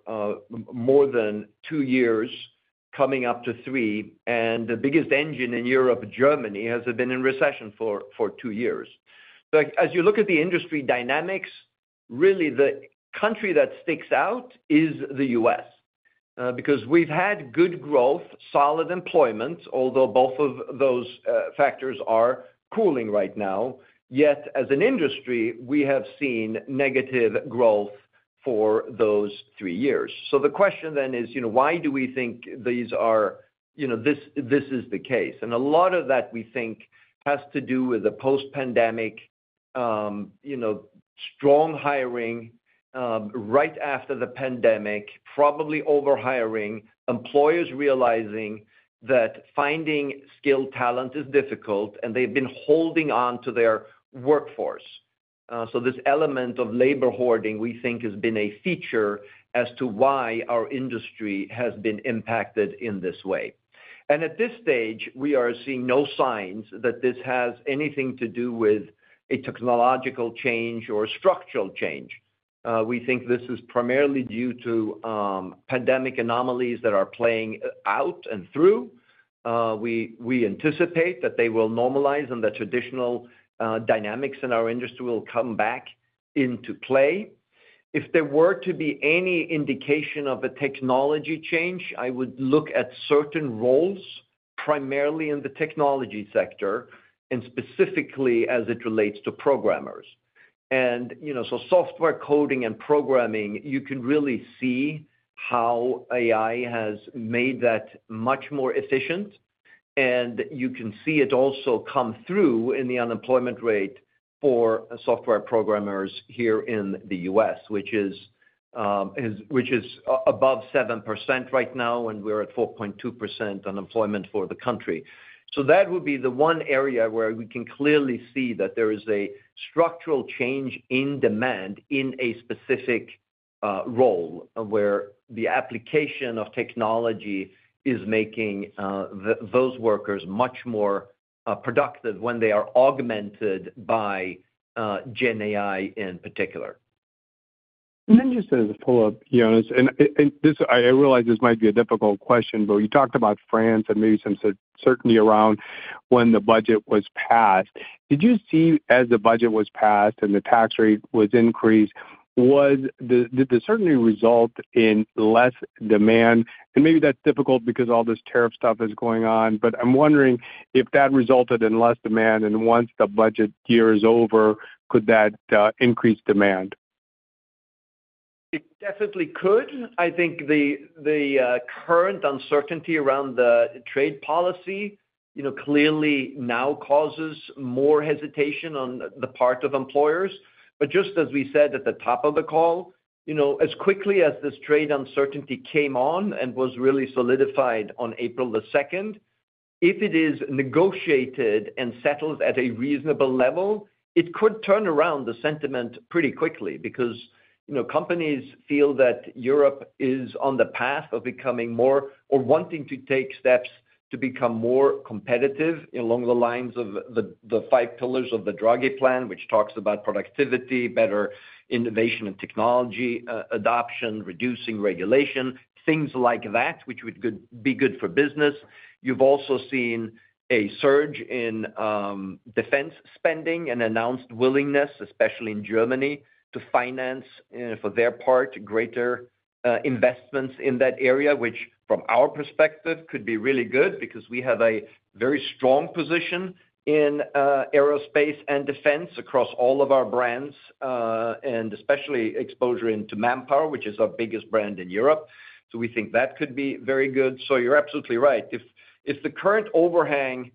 more than two years, coming up to three. The biggest engine in Europe, Germany, has been in recession for two years. As you look at the industry dynamics, really the country that sticks out is the U.S. because we've had good growth, solid employment, although both of those factors are cooling right now. Yet as an industry, we have seen negative growth for those three years. The question then is, you know, why do we think these are, you know, this is the case? A lot of that we think has to do with the post-pandemic, you know, strong hiring right after the pandemic, probably overhiring, employers realizing that finding skilled talent is difficult, and they've been holding on to their workforce. This element of labor hoarding we think has been a feature as to why our industry has been impacted in this way. At this stage, we are seeing no signs that this has anything to do with a technological change or structural change. We think this is primarily due to pandemic anomalies that are playing out and through. We anticipate that they will normalize and the traditional dynamics in our industry will come back into play. If there were to be any indication of a technology change, I would look at certain roles primarily in the technology sector and specifically as it relates to programmers. You know, so software coding and programming, you can really see how AI has made that much more efficient. You can see it also come through in the unemployment rate for software programmers here in the U.S., which is above 7% right now, and we're at 4.2% unemployment for the country. That would be the one area where we can clearly see that there is a structural change in demand in a specific role where the application of technology is making those workers much more productive when they are augmented by GenAI in particular. Just as a follow-up, Jonas, and I realize this might be a difficult question, but you talked about France and maybe some certainty around when the budget was passed. Did you see as the budget was passed and the tax rate was increased, did the certainty result in less demand? Maybe that is difficult because all this tariff stuff is going on, but I am wondering if that resulted in less demand and once the budget year is over, could that increase demand? It definitely could. I think the current uncertainty around the trade policy, you know, clearly now causes more hesitation on the part of employers. Just as we said at the top of the call, you know, as quickly as this trade uncertainty came on and was really solidified on April thr 2nd, if it is negotiated and settled at a reasonable level, it could turn around the sentiment pretty quickly because, you know, companies feel that Europe is on the path of becoming more or wanting to take steps to become more competitive along the lines of the five pillars of the Draghi Plan, which talks about productivity, better innovation and technology adoption, reducing regulation, things like that, which would be good for business. You've also seen a surge in defense spending and announced willingness, especially in Germany, to finance for their part greater investments in that area, which from our perspective could be really good because we have a very strong position in aerospace and defense across all of our brands and especially exposure into Manpower, which is our biggest brand in Europe. We think that could be very good. You're absolutely right. If the current overhang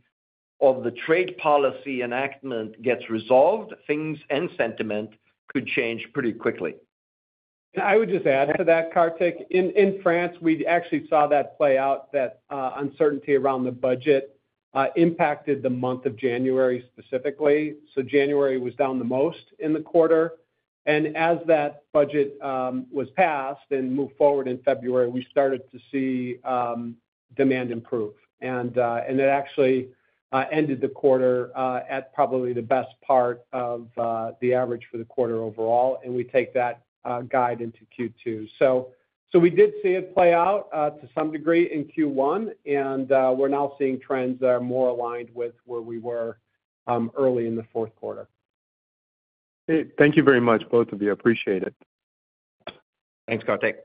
of the trade policy enactment gets resolved, things and sentiment could change pretty quickly. I would just add to that, Kartik, in France, we actually saw that play out, that uncertainty around the budget impacted the month of January specifically. January was down the most in the quarter. As that budget was passed and moved forward in February, we started to see demand improve. It actually ended the quarter at probably the best part of the average for the quarter overall. We take that guide into Q2. We did see it play out to some degree in Q1, and we're now seeing trends that are more aligned with where we were early in the fourth quarter. Great. Thank you very much, both of you. I appreciate it. Thanks, Kartik.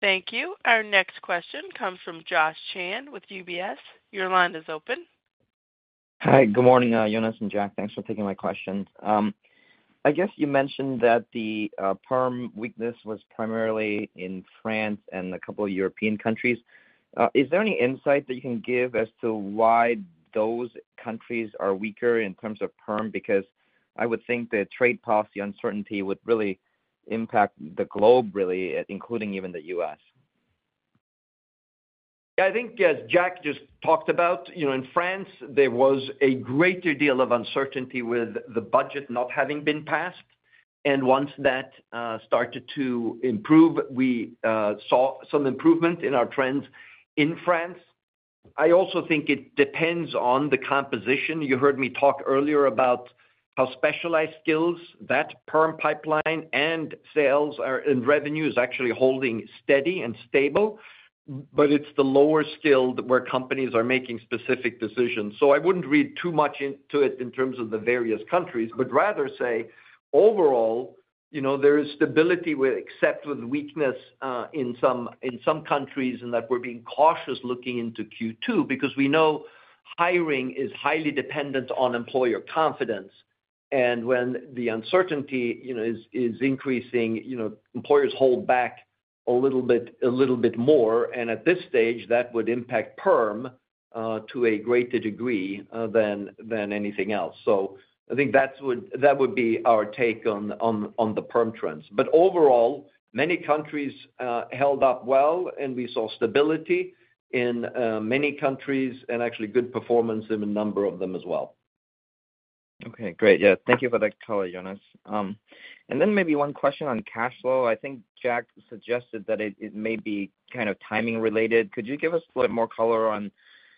Thank you. Our next question comes from Josh Chan with UBS. Your line is open. Hi, good morning, Jonas and Jack. Thanks for taking my question. I guess you mentioned that the PERM weakness was primarily in France and a couple of European countries. Is there any insight that you can give as to why those countries are weaker in terms of PERM? Because I would think the trade policy uncertainty would really impact the globe, really, including even the U.S. Yeah, I think, as Jack just talked about, you know, in France, there was a greater deal of uncertainty with the budget not having been passed. Once that started to improve, we saw some improvement in our trends in France. I also think it depends on the composition. You heard me talk earlier about how specialized skills, that PERM pipeline and sales and revenue is actually holding steady and stable, but it's the lower skill where companies are making specific decisions. I wouldn't read too much into it in terms of the various countries, but rather say overall, you know, there is stability except with weakness in some countries and that we're being cautious looking into Q2 because we know hiring is highly dependent on employer confidence. When the uncertainty, you know, is increasing, you know, employers hold back a little bit more. At this stage, that would impact PERM to a greater degree than anything else. I think that would be our take on the PERM trends. Overall, many countries held up well, and we saw stability in many countries and actually good performance in a number of them as well. Okay, great. Thank you for that color, Jonas. Maybe one question on cash flow. I think Jack suggested that it may be kind of timing related. Could you give us a little bit more color on,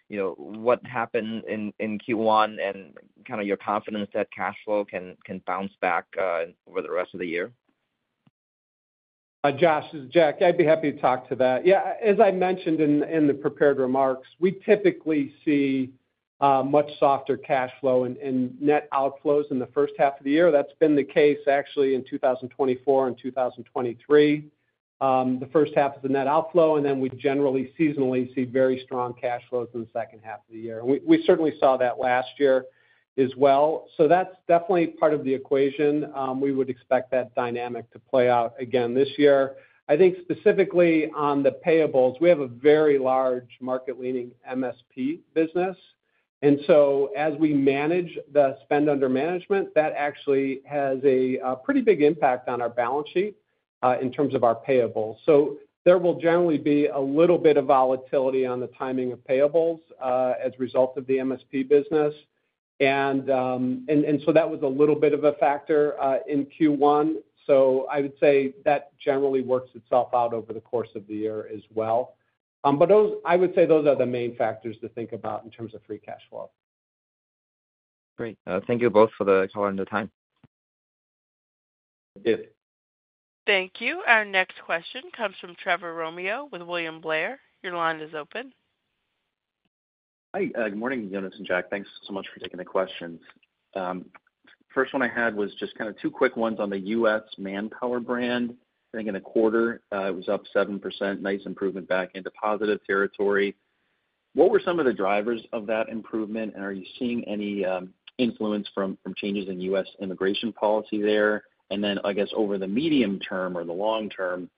you know, what happened in Q1 and kind of your confidence that cash flow can bounce back over the rest of the year? Josh, this is Jack. I'd be happy to talk to that. As I mentioned in the prepared remarks, we typically see much softer cash flow and net outflows in the first half of the year. That's been the case actually in 2024 and 2023. The first half is the net outflow, and then we generally seasonally see very strong cash flows in the second half of the year. We certainly saw that last year as well. That's definitely part of the equation. We would expect that dynamic to play out again this year. I think specifically on the payables, we have a very large market-leaning MSP business. As we manage the spend under management, that actually has a pretty big impact on our balance sheet in terms of our payables. There will generally be a little bit of volatility on the timing of payables as a result of the MSP business. That was a little bit of a factor in Q1. I would say that generally works itself out over the course of the year as well. I would say those are the main factors to think about in terms of free cash flow. Great. Thank you both for the color and the time. Thank you. Thank you. Our next question comes from Trevor Romeo with William Blair.Your line is open. Hi, good morning, Jonas and Jack. Thanks so much for taking the questions. First one I had was just kind of two quick ones on the U.S. Manpower brand. I think in the quarter, it was up 7%, nice improvement back into positive territory. What were some of the drivers of that improvement, and are you seeing any influence from changes in U.S. immigration policy there? I guess over the medium term or the long term,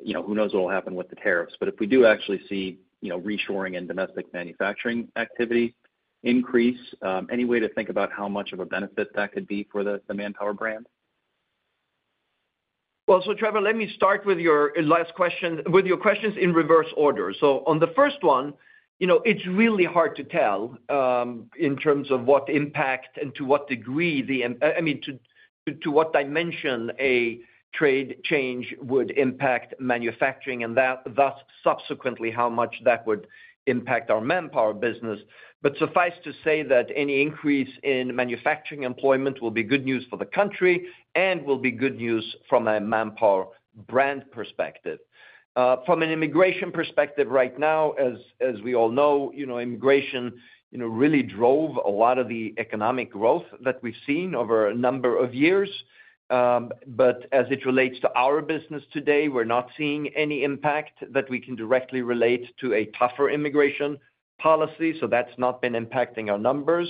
you know, who knows what will happen with the tariffs? If we do actually see, you know, reshoring and domestic manufacturing activity increase, any way to think about how much of a benefit that could be for the Manpower brand? Trevor, let me start with your last question with your questions in reverse order. On the first one, you know, it's really hard to tell in terms of what impact and to what degree, I mean, to what dimension a trade change would impact manufacturing and thus subsequently how much that would impact our Manpower business. Suffice to say that any increase in manufacturing employment will be good news for the country and will be good news from a Manpower brand perspective. From an immigration perspective right now, as we all know, you know, immigration, you know, really drove a lot of the economic growth that we've seen over a number of years. As it relates to our business today, we're not seeing any impact that we can directly relate to a tougher immigration policy. That's not been impacting our numbers.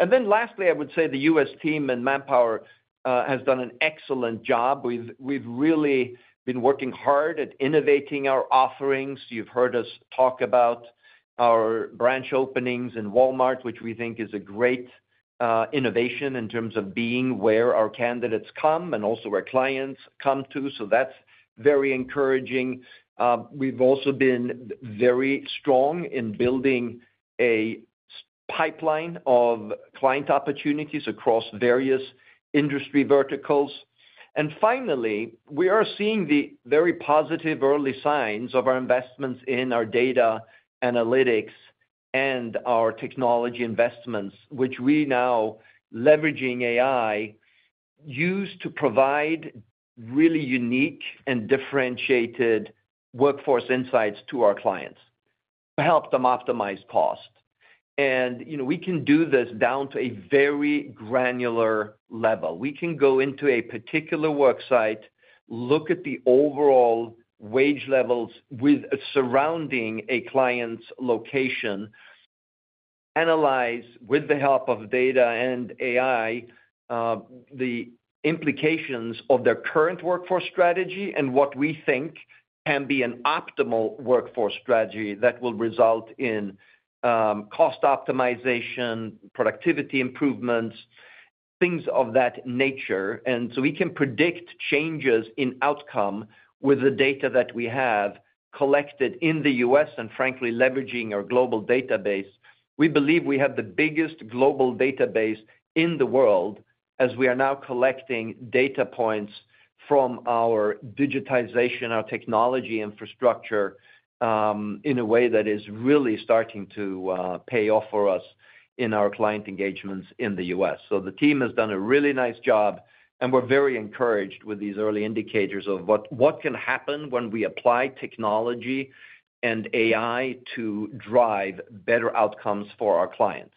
Lastly, I would say the U.S. team and Manpower has done an excellent job. We've really been working hard at innovating our offerings. You've heard us talk about our branch openings in Walmart, which we think is a great innovation in terms of being where our candidates come and also where clients come to. That's very encouraging. We've also been very strong in building a pipeline of client opportunities across various industry verticals. Finally, we are seeing the very positive early signs of our investments in our data analytics and our technology investments, which we now, leveraging AI, use to provide really unique and differentiated workforce insights to our clients to help them optimize cost. You know, we can do this down to a very granular level. We can go into a particular worksite, look at the overall wage levels surrounding a client's location, analyze with the help of data and AI the implications of their current workforce strategy and what we think can be an optimal workforce strategy that will result in cost optimization, productivity improvements, things of that nature. We can predict changes in outcome with the data that we have collected in the U.S. and, frankly, leveraging our global database. We believe we have the biggest global database in the world as we are now collecting data points from our digitization, our technology infrastructure in a way that is really starting to pay off for us in our client engagements in the U.S. The team has done a really nice job, and we're very encouraged with these early indicators of what can happen when we apply technology and AI to drive better outcomes for our clients.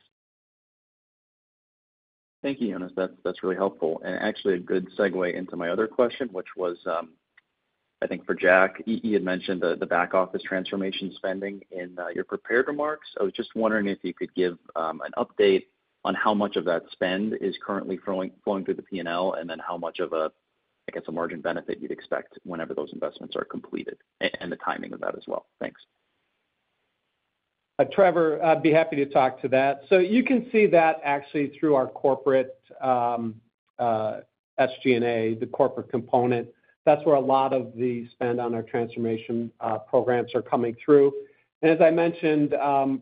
Thank you, Jonas. That's really helpful and actually a good segue into my other question, which was, I think for Jack, he had mentioned the back office transformation spending in your prepared remarks. I was just wondering if you could give an update on how much of that spend is currently flowing through the P&L and then how much of a, I guess, a margin benefit you'd expect whenever those investments are completed and the timing of that as well. Thanks. Trevor, I'd be happy to talk to that. You can see that actually through our corporate SG&A, the corporate component. That's where a lot of the spend on our transformation programs are coming through. As I mentioned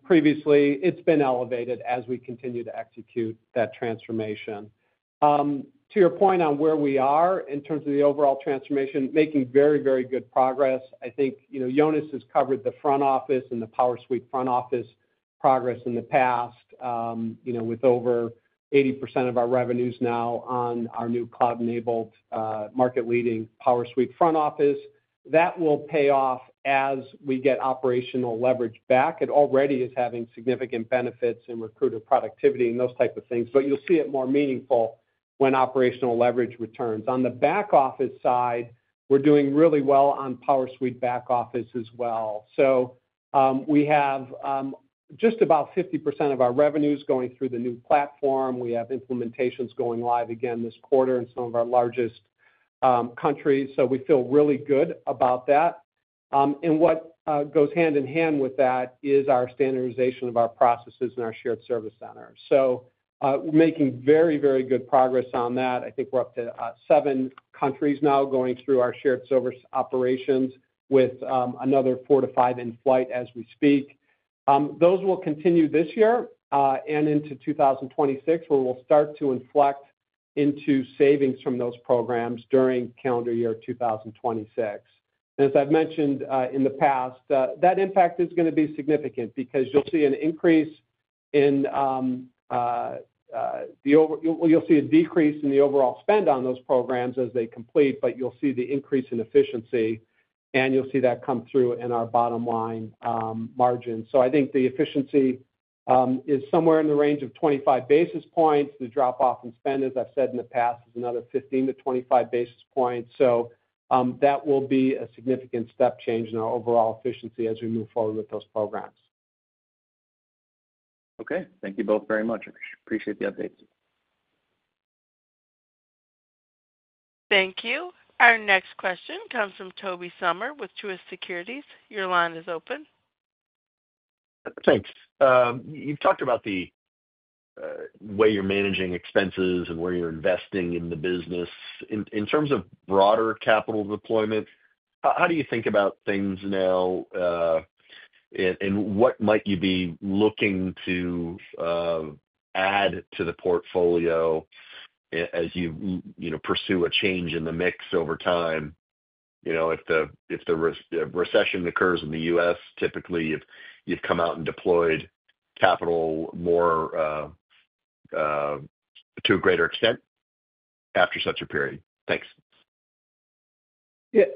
previously, it's been elevated as we continue to execute that transformation. To your point on where we are in terms of the overall transformation, making very, very good progress. I think, you know, Jonas has covered the front office and the PowerSuite front office progress in the past, you know, with over 80% of our revenues now on our new cloud-enabled market-leading PowerSuite front office. That will pay off as we get operational leverage back. It already is having significant benefits in recruiter productivity and those types of things, but you'll see it more meaningful when operational leverage returns. On the back office side, we're doing really well on PowerSuite back office as well. We have just about 50% of our revenues going through the new platform. We have implementations going live again this quarter in some of our largest countries. We feel really good about that. What goes hand in hand with that is our standardization of our processes in our shared service center. We are making very, very good progress on that. I think we are up to seven countries now going through our shared service operations with another four to five in flight as we speak. Those will continue this year and into 2026, where we will start to inflect into savings from those programs during calendar year 2026. As I have mentioned in the past, that impact is going to be significant because you will see a decrease in the overall spend on those programs as they complete, but you will see the increase in efficiency, and you will see that come through in our bottom line margin. I think the efficiency is somewhere in the range of 25 basis points. The drop off in spend, as I've said in the past, is another 15 basis points -25 basis points. That will be a significant step change in our overall efficiency as we move forward with those programs. Thank you both very much. Appreciate the updates. Thank you. Our next question comes from Tobey Sommer with Truist Securities. Your line is open. Thanks. You've talked about the way you're managing expenses and where you're investing in the business. In terms of broader capital deployment, how do you think about things now, and what might you be looking to add to the portfolio as you, you know, pursue a change in the mix over time? You know, if the recession occurs in the U.S., typically you've come out and deployed capital more to a greater extent after such a period. Thanks. Yeah.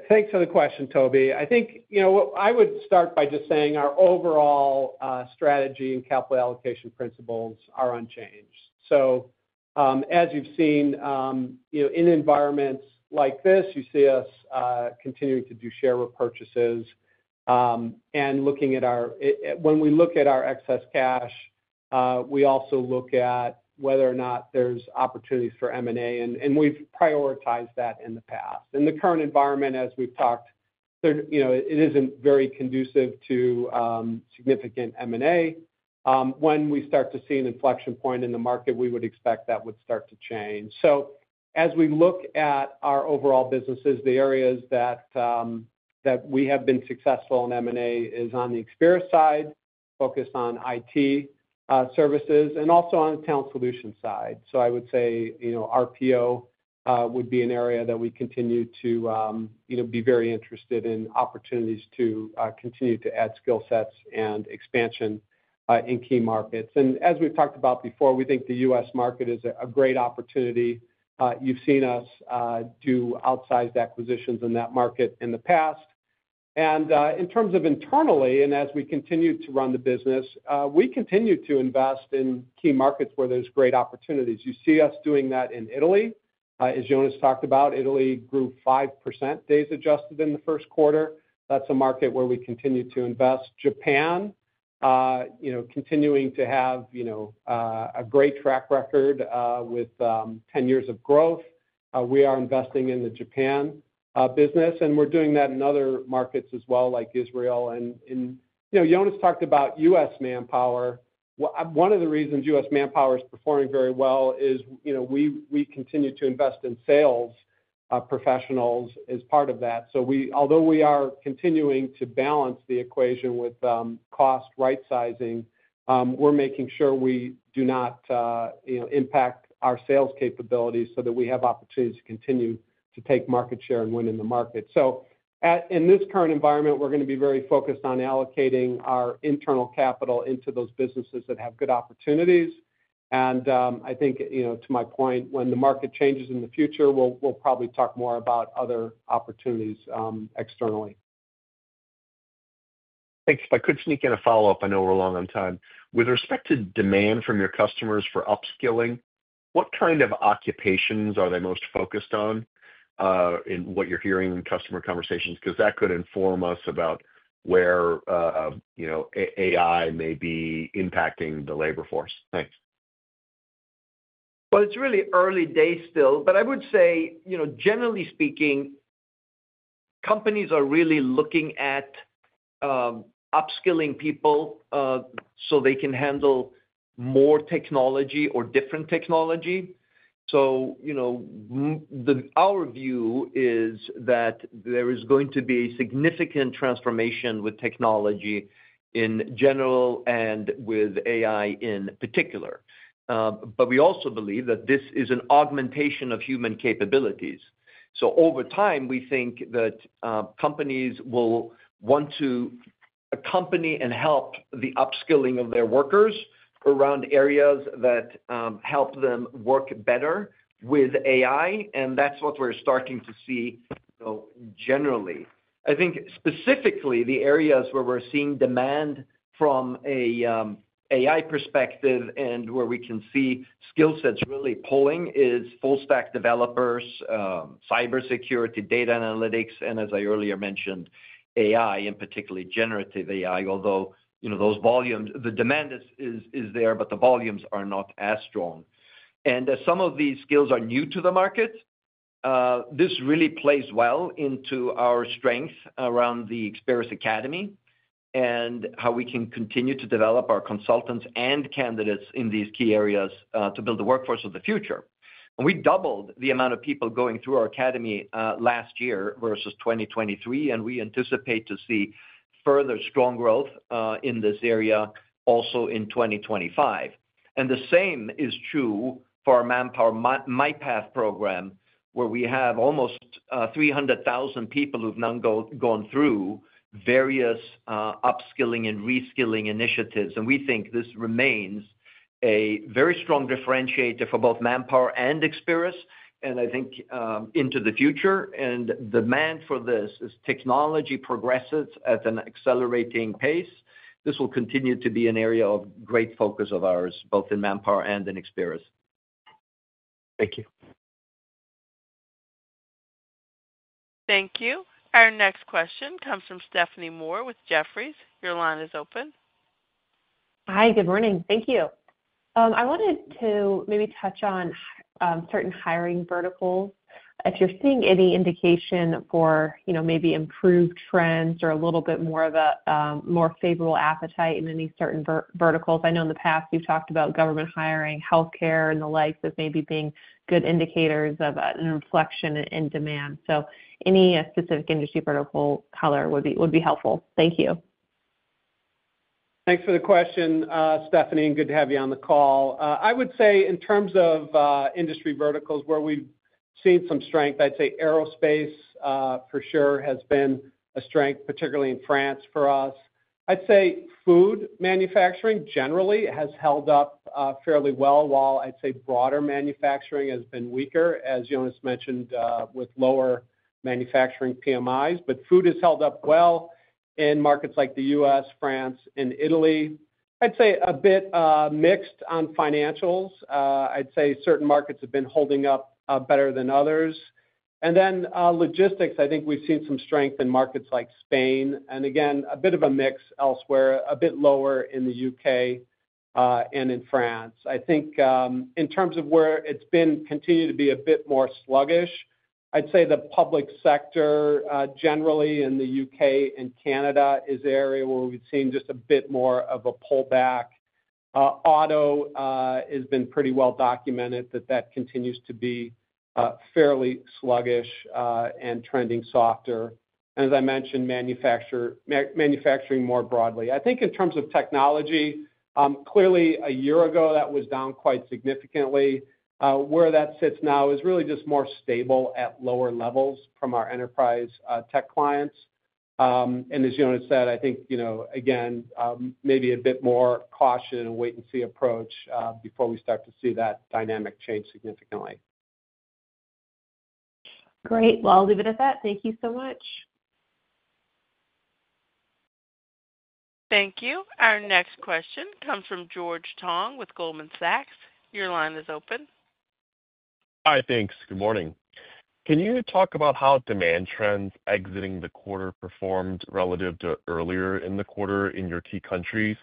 Thanks for the question, Tobey. I think, you know, I would start by just saying our overall strategy and capital allocation principles are unchanged. As you've seen, you know, in environments like this, you see us continuing to do share repurchases and looking at our, when we look at our excess cash, we also look at whether or not there's opportunities for M&A, and we've prioritized that in the past. In the current environment, as we've talked, you know, it isn't very conducive to significant M&A. When we start to see an inflection point in the market, we would expect that would start to change. As we look at our overall businesses, the areas that we have been successful in M&A is on the Experis side, focused on IT services, and also on the Talent Solutions side. I would say, you know, RPO would be an area that we continue to, you know, be very interested in opportunities to continue to add skill sets and expansion in key markets. As we've talked about before, we think the U.S. market is a great opportunity. You've seen us do outsized acquisitions in that market in the past. In terms of internally, and as we continue to run the business, we continue to invest in key markets where there's great opportunities. You see us doing that in Italy, as Jonas talked about. Italy grew 5% days adjusted in the first quarter. That's a market where we continue to invest. Japan, you know, continuing to have, you know, a great track record with 10 years of growth. We are investing in the Japan business, and we're doing that in other markets as well, like Israel. You know, Jonas talked about U.S. Manpower. One of the reasons U.S. Manpower is performing very well is, you know, we continue to invest in sales professionals as part of that. We, although we are continuing to balance the equation with cost right-sizing, are making sure we do not, you know, impact our sales capabilities so that we have opportunities to continue to take market share and win in the market. In this current environment, we are going to be very focused on allocating our internal capital into those businesses that have good opportunities. I think, you know, to my point, when the market changes in the future, we will probably talk more about other opportunities externally. Thanks. If I could sneak in a follow-up, I know we are a long, long time. With respect to demand from your customers for upskilling, what kind of occupations are they most focused on in what you're hearing in customer conversations? Because that could inform us about where, you know, AI may be impacting the labor force. Thanks. It is really early days still, but I would say, you know, generally speaking, companies are really looking at upskilling people so they can handle more technology or different technology. You know, our view is that there is going to be a significant transformation with technology in general and with AI in particular. We also believe that this is an augmentation of human capabilities. Over time, we think that companies will want to accompany and help the upskilling of their workers around areas that help them work better with AI. That is what we are starting to see, you know, generally. I think specifically the areas where we're seeing demand from an AI perspective and where we can see skill sets really pulling is full-stack developers, cybersecurity, data analytics, and as I earlier mentioned, AI, and particularly generative AI, although, you know, those volumes, the demand is there, but the volumes are not as strong. As some of these skills are new to the market, this really plays well into our strengths around the Experis Academy and how we can continue to develop our consultants and candidates in these key areas to build the workforce of the future. We doubled the amount of people going through our academy last year versus 2023, and we anticipate to see further strong growth in this area also in 2025. The same is true for our Manpower MyPath program, where we have almost 300,000 people who've now gone through various upskilling and reskilling initiatives. We think this remains a very strong differentiator for both Manpower and Experis, and I think into the future. The demand for this as technology progresses at an accelerating pace, this will continue to be an area of great focus of ours, both in Manpower and in Experis. Thank you. Thank you. Our next question comes from Stephanie Moore with Jefferies. Your line is open. Hi, good morning. Thank you. I wanted to maybe touch on certain hiring verticals. If you're seeing any indication for, you know, maybe improved trends or a little bit more of a more favorable appetite in any certain verticals. I know in the past you've talked about government hiring, healthcare, and the likes of maybe being good indicators of an inflection in demand. Any specific industry vertical color would be helpful. Thank you. Thanks for the question, Stephanie, and good to have you on the call. I would say in terms of industry verticals where we've seen some strength, I'd say aerospace for sure has been a strength, particularly in France for us. I'd say food manufacturing generally has held up fairly well, while I'd say broader manufacturing has been weaker, as Jonas mentioned, with lower manufacturing PMIs. Food has held up well in markets like the U.S., France, and Italy. I'd say a bit mixed on financials. Certain markets have been holding up better than others. Logistics, I think we've seen some strength in markets like Spain. Again, a bit of a mix elsewhere, a bit lower in the U.K. and in France. I think in terms of where it's been continued to be a bit more sluggish, I'd say the public sector generally in the U.K. and Canada is the area where we've seen just a bit more of a pullback. Auto has been pretty well documented that that continues to be fairly sluggish and trending softer. As I mentioned, manufacturing more broadly. I think in terms of technology, clearly a year ago that was down quite significantly. Where that sits now is really just more stable at lower levels from our enterprise tech clients. As Jonas said, I think, you know, again, maybe a bit more caution and wait and see approach before we start to see that dynamic change significantly. Great. I'll leave it at that. Thank you so much. Thank you. Our next question comes from George Tong with Goldman Sachs. Your line is open. Hi, thanks. Good morning. Can you talk about how demand trends exiting the quarter performed relative to earlier in the quarter in your key countries?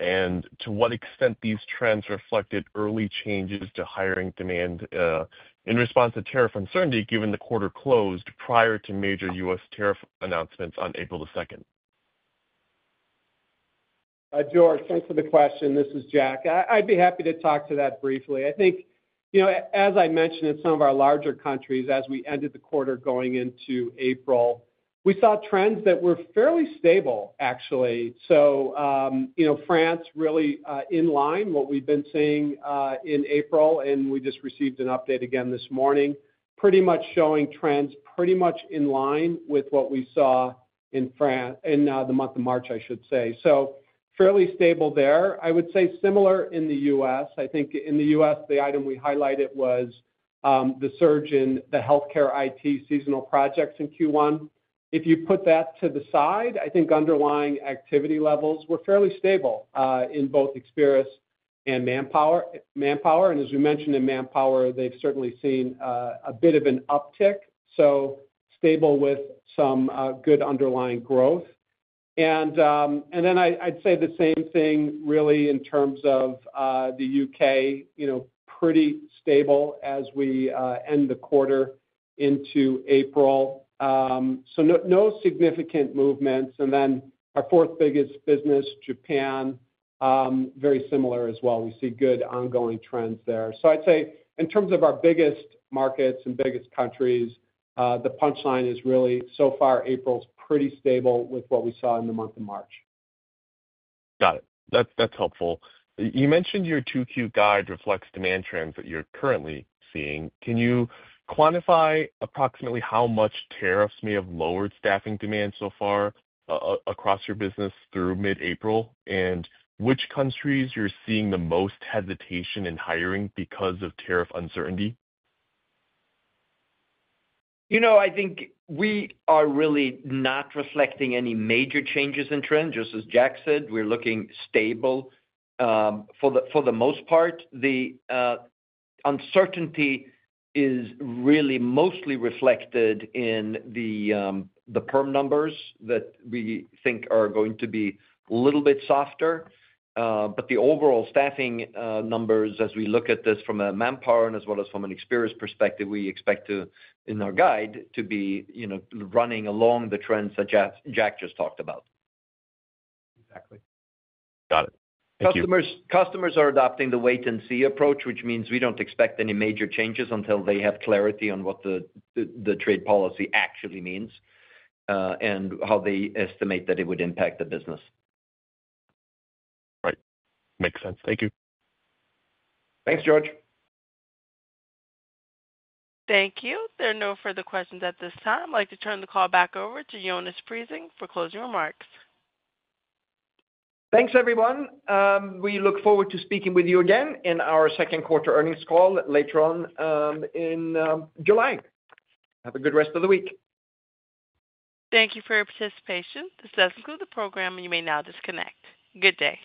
To what extent these trends reflected early changes to hiring demand in response to tariff uncertainty given the quarter closed prior to major U.S. tariff announcements on April the 2nd? George, thanks for the question. This is Jack. I'd be happy to talk to that briefly. I think, you know, as I mentioned in some of our larger countries, as we ended the quarter going into April, we saw trends that were fairly stable, actually. You know, France really in line with what we've been seeing in April, and we just received an update again this morning, pretty much showing trends pretty much in line with what we saw in France in the month of March, I should say. Fairly stable there. I would say similar in the U.S. I think in the U.S., the item we highlighted was the surge in the healthcare IT seasonal projects in Q1. If you put that to the side, I think underlying activity levels were fairly stable in both Experis and Manpower. As you mentioned in Manpower, they've certainly seen a bit of an uptick. Stable with some good underlying growth. I would say the same thing really in terms of the U.K., you know, pretty stable as we end the quarter into April. No significant movements. Our fourth biggest business, Japan, very similar as well. We see good ongoing trends there. I'd say in terms of our biggest markets and biggest countries, the punchline is really so far April's pretty stable with what we saw in the month of March. Got it. That's helpful. You mentioned your 2Q guide reflects demand trends that you're currently seeing. Can you quantify approximately how much tariffs may have lowered staffing demand so far across your business through mid-April? And which countries you're seeing the most hesitation in hiring because of tariff uncertainty? You know, I think we are really not reflecting any major changes in trend, just as Jack said. We're looking stable for the most part. The uncertainty is really mostly reflected in the perm numbers that we think are going to be a little bit softer. But the overall staffing numbers, as we look at this from a Manpower and as well as from an Experis perspective, we expect to, in our guide, to be, you know, running along the trends that Jack just talked about. Exactly. Got it. Thank you. Customers are adopting the wait and see approach, which means we do not expect any major changes until they have clarity on what the trade policy actually means and how they estimate that it would impact the business. Right. Makes sense. Thank you. Thanks, George. Thank you. There are no further questions at this time. I would like to turn the call back over to Jonas Prising for closing remarks. Thanks, everyone. We look forward to speaking with you again in our second quarter earnings call later on in July. Have a good rest of the week. Thank you for your participation. This does conclude the program, and you may now disconnect. Good day.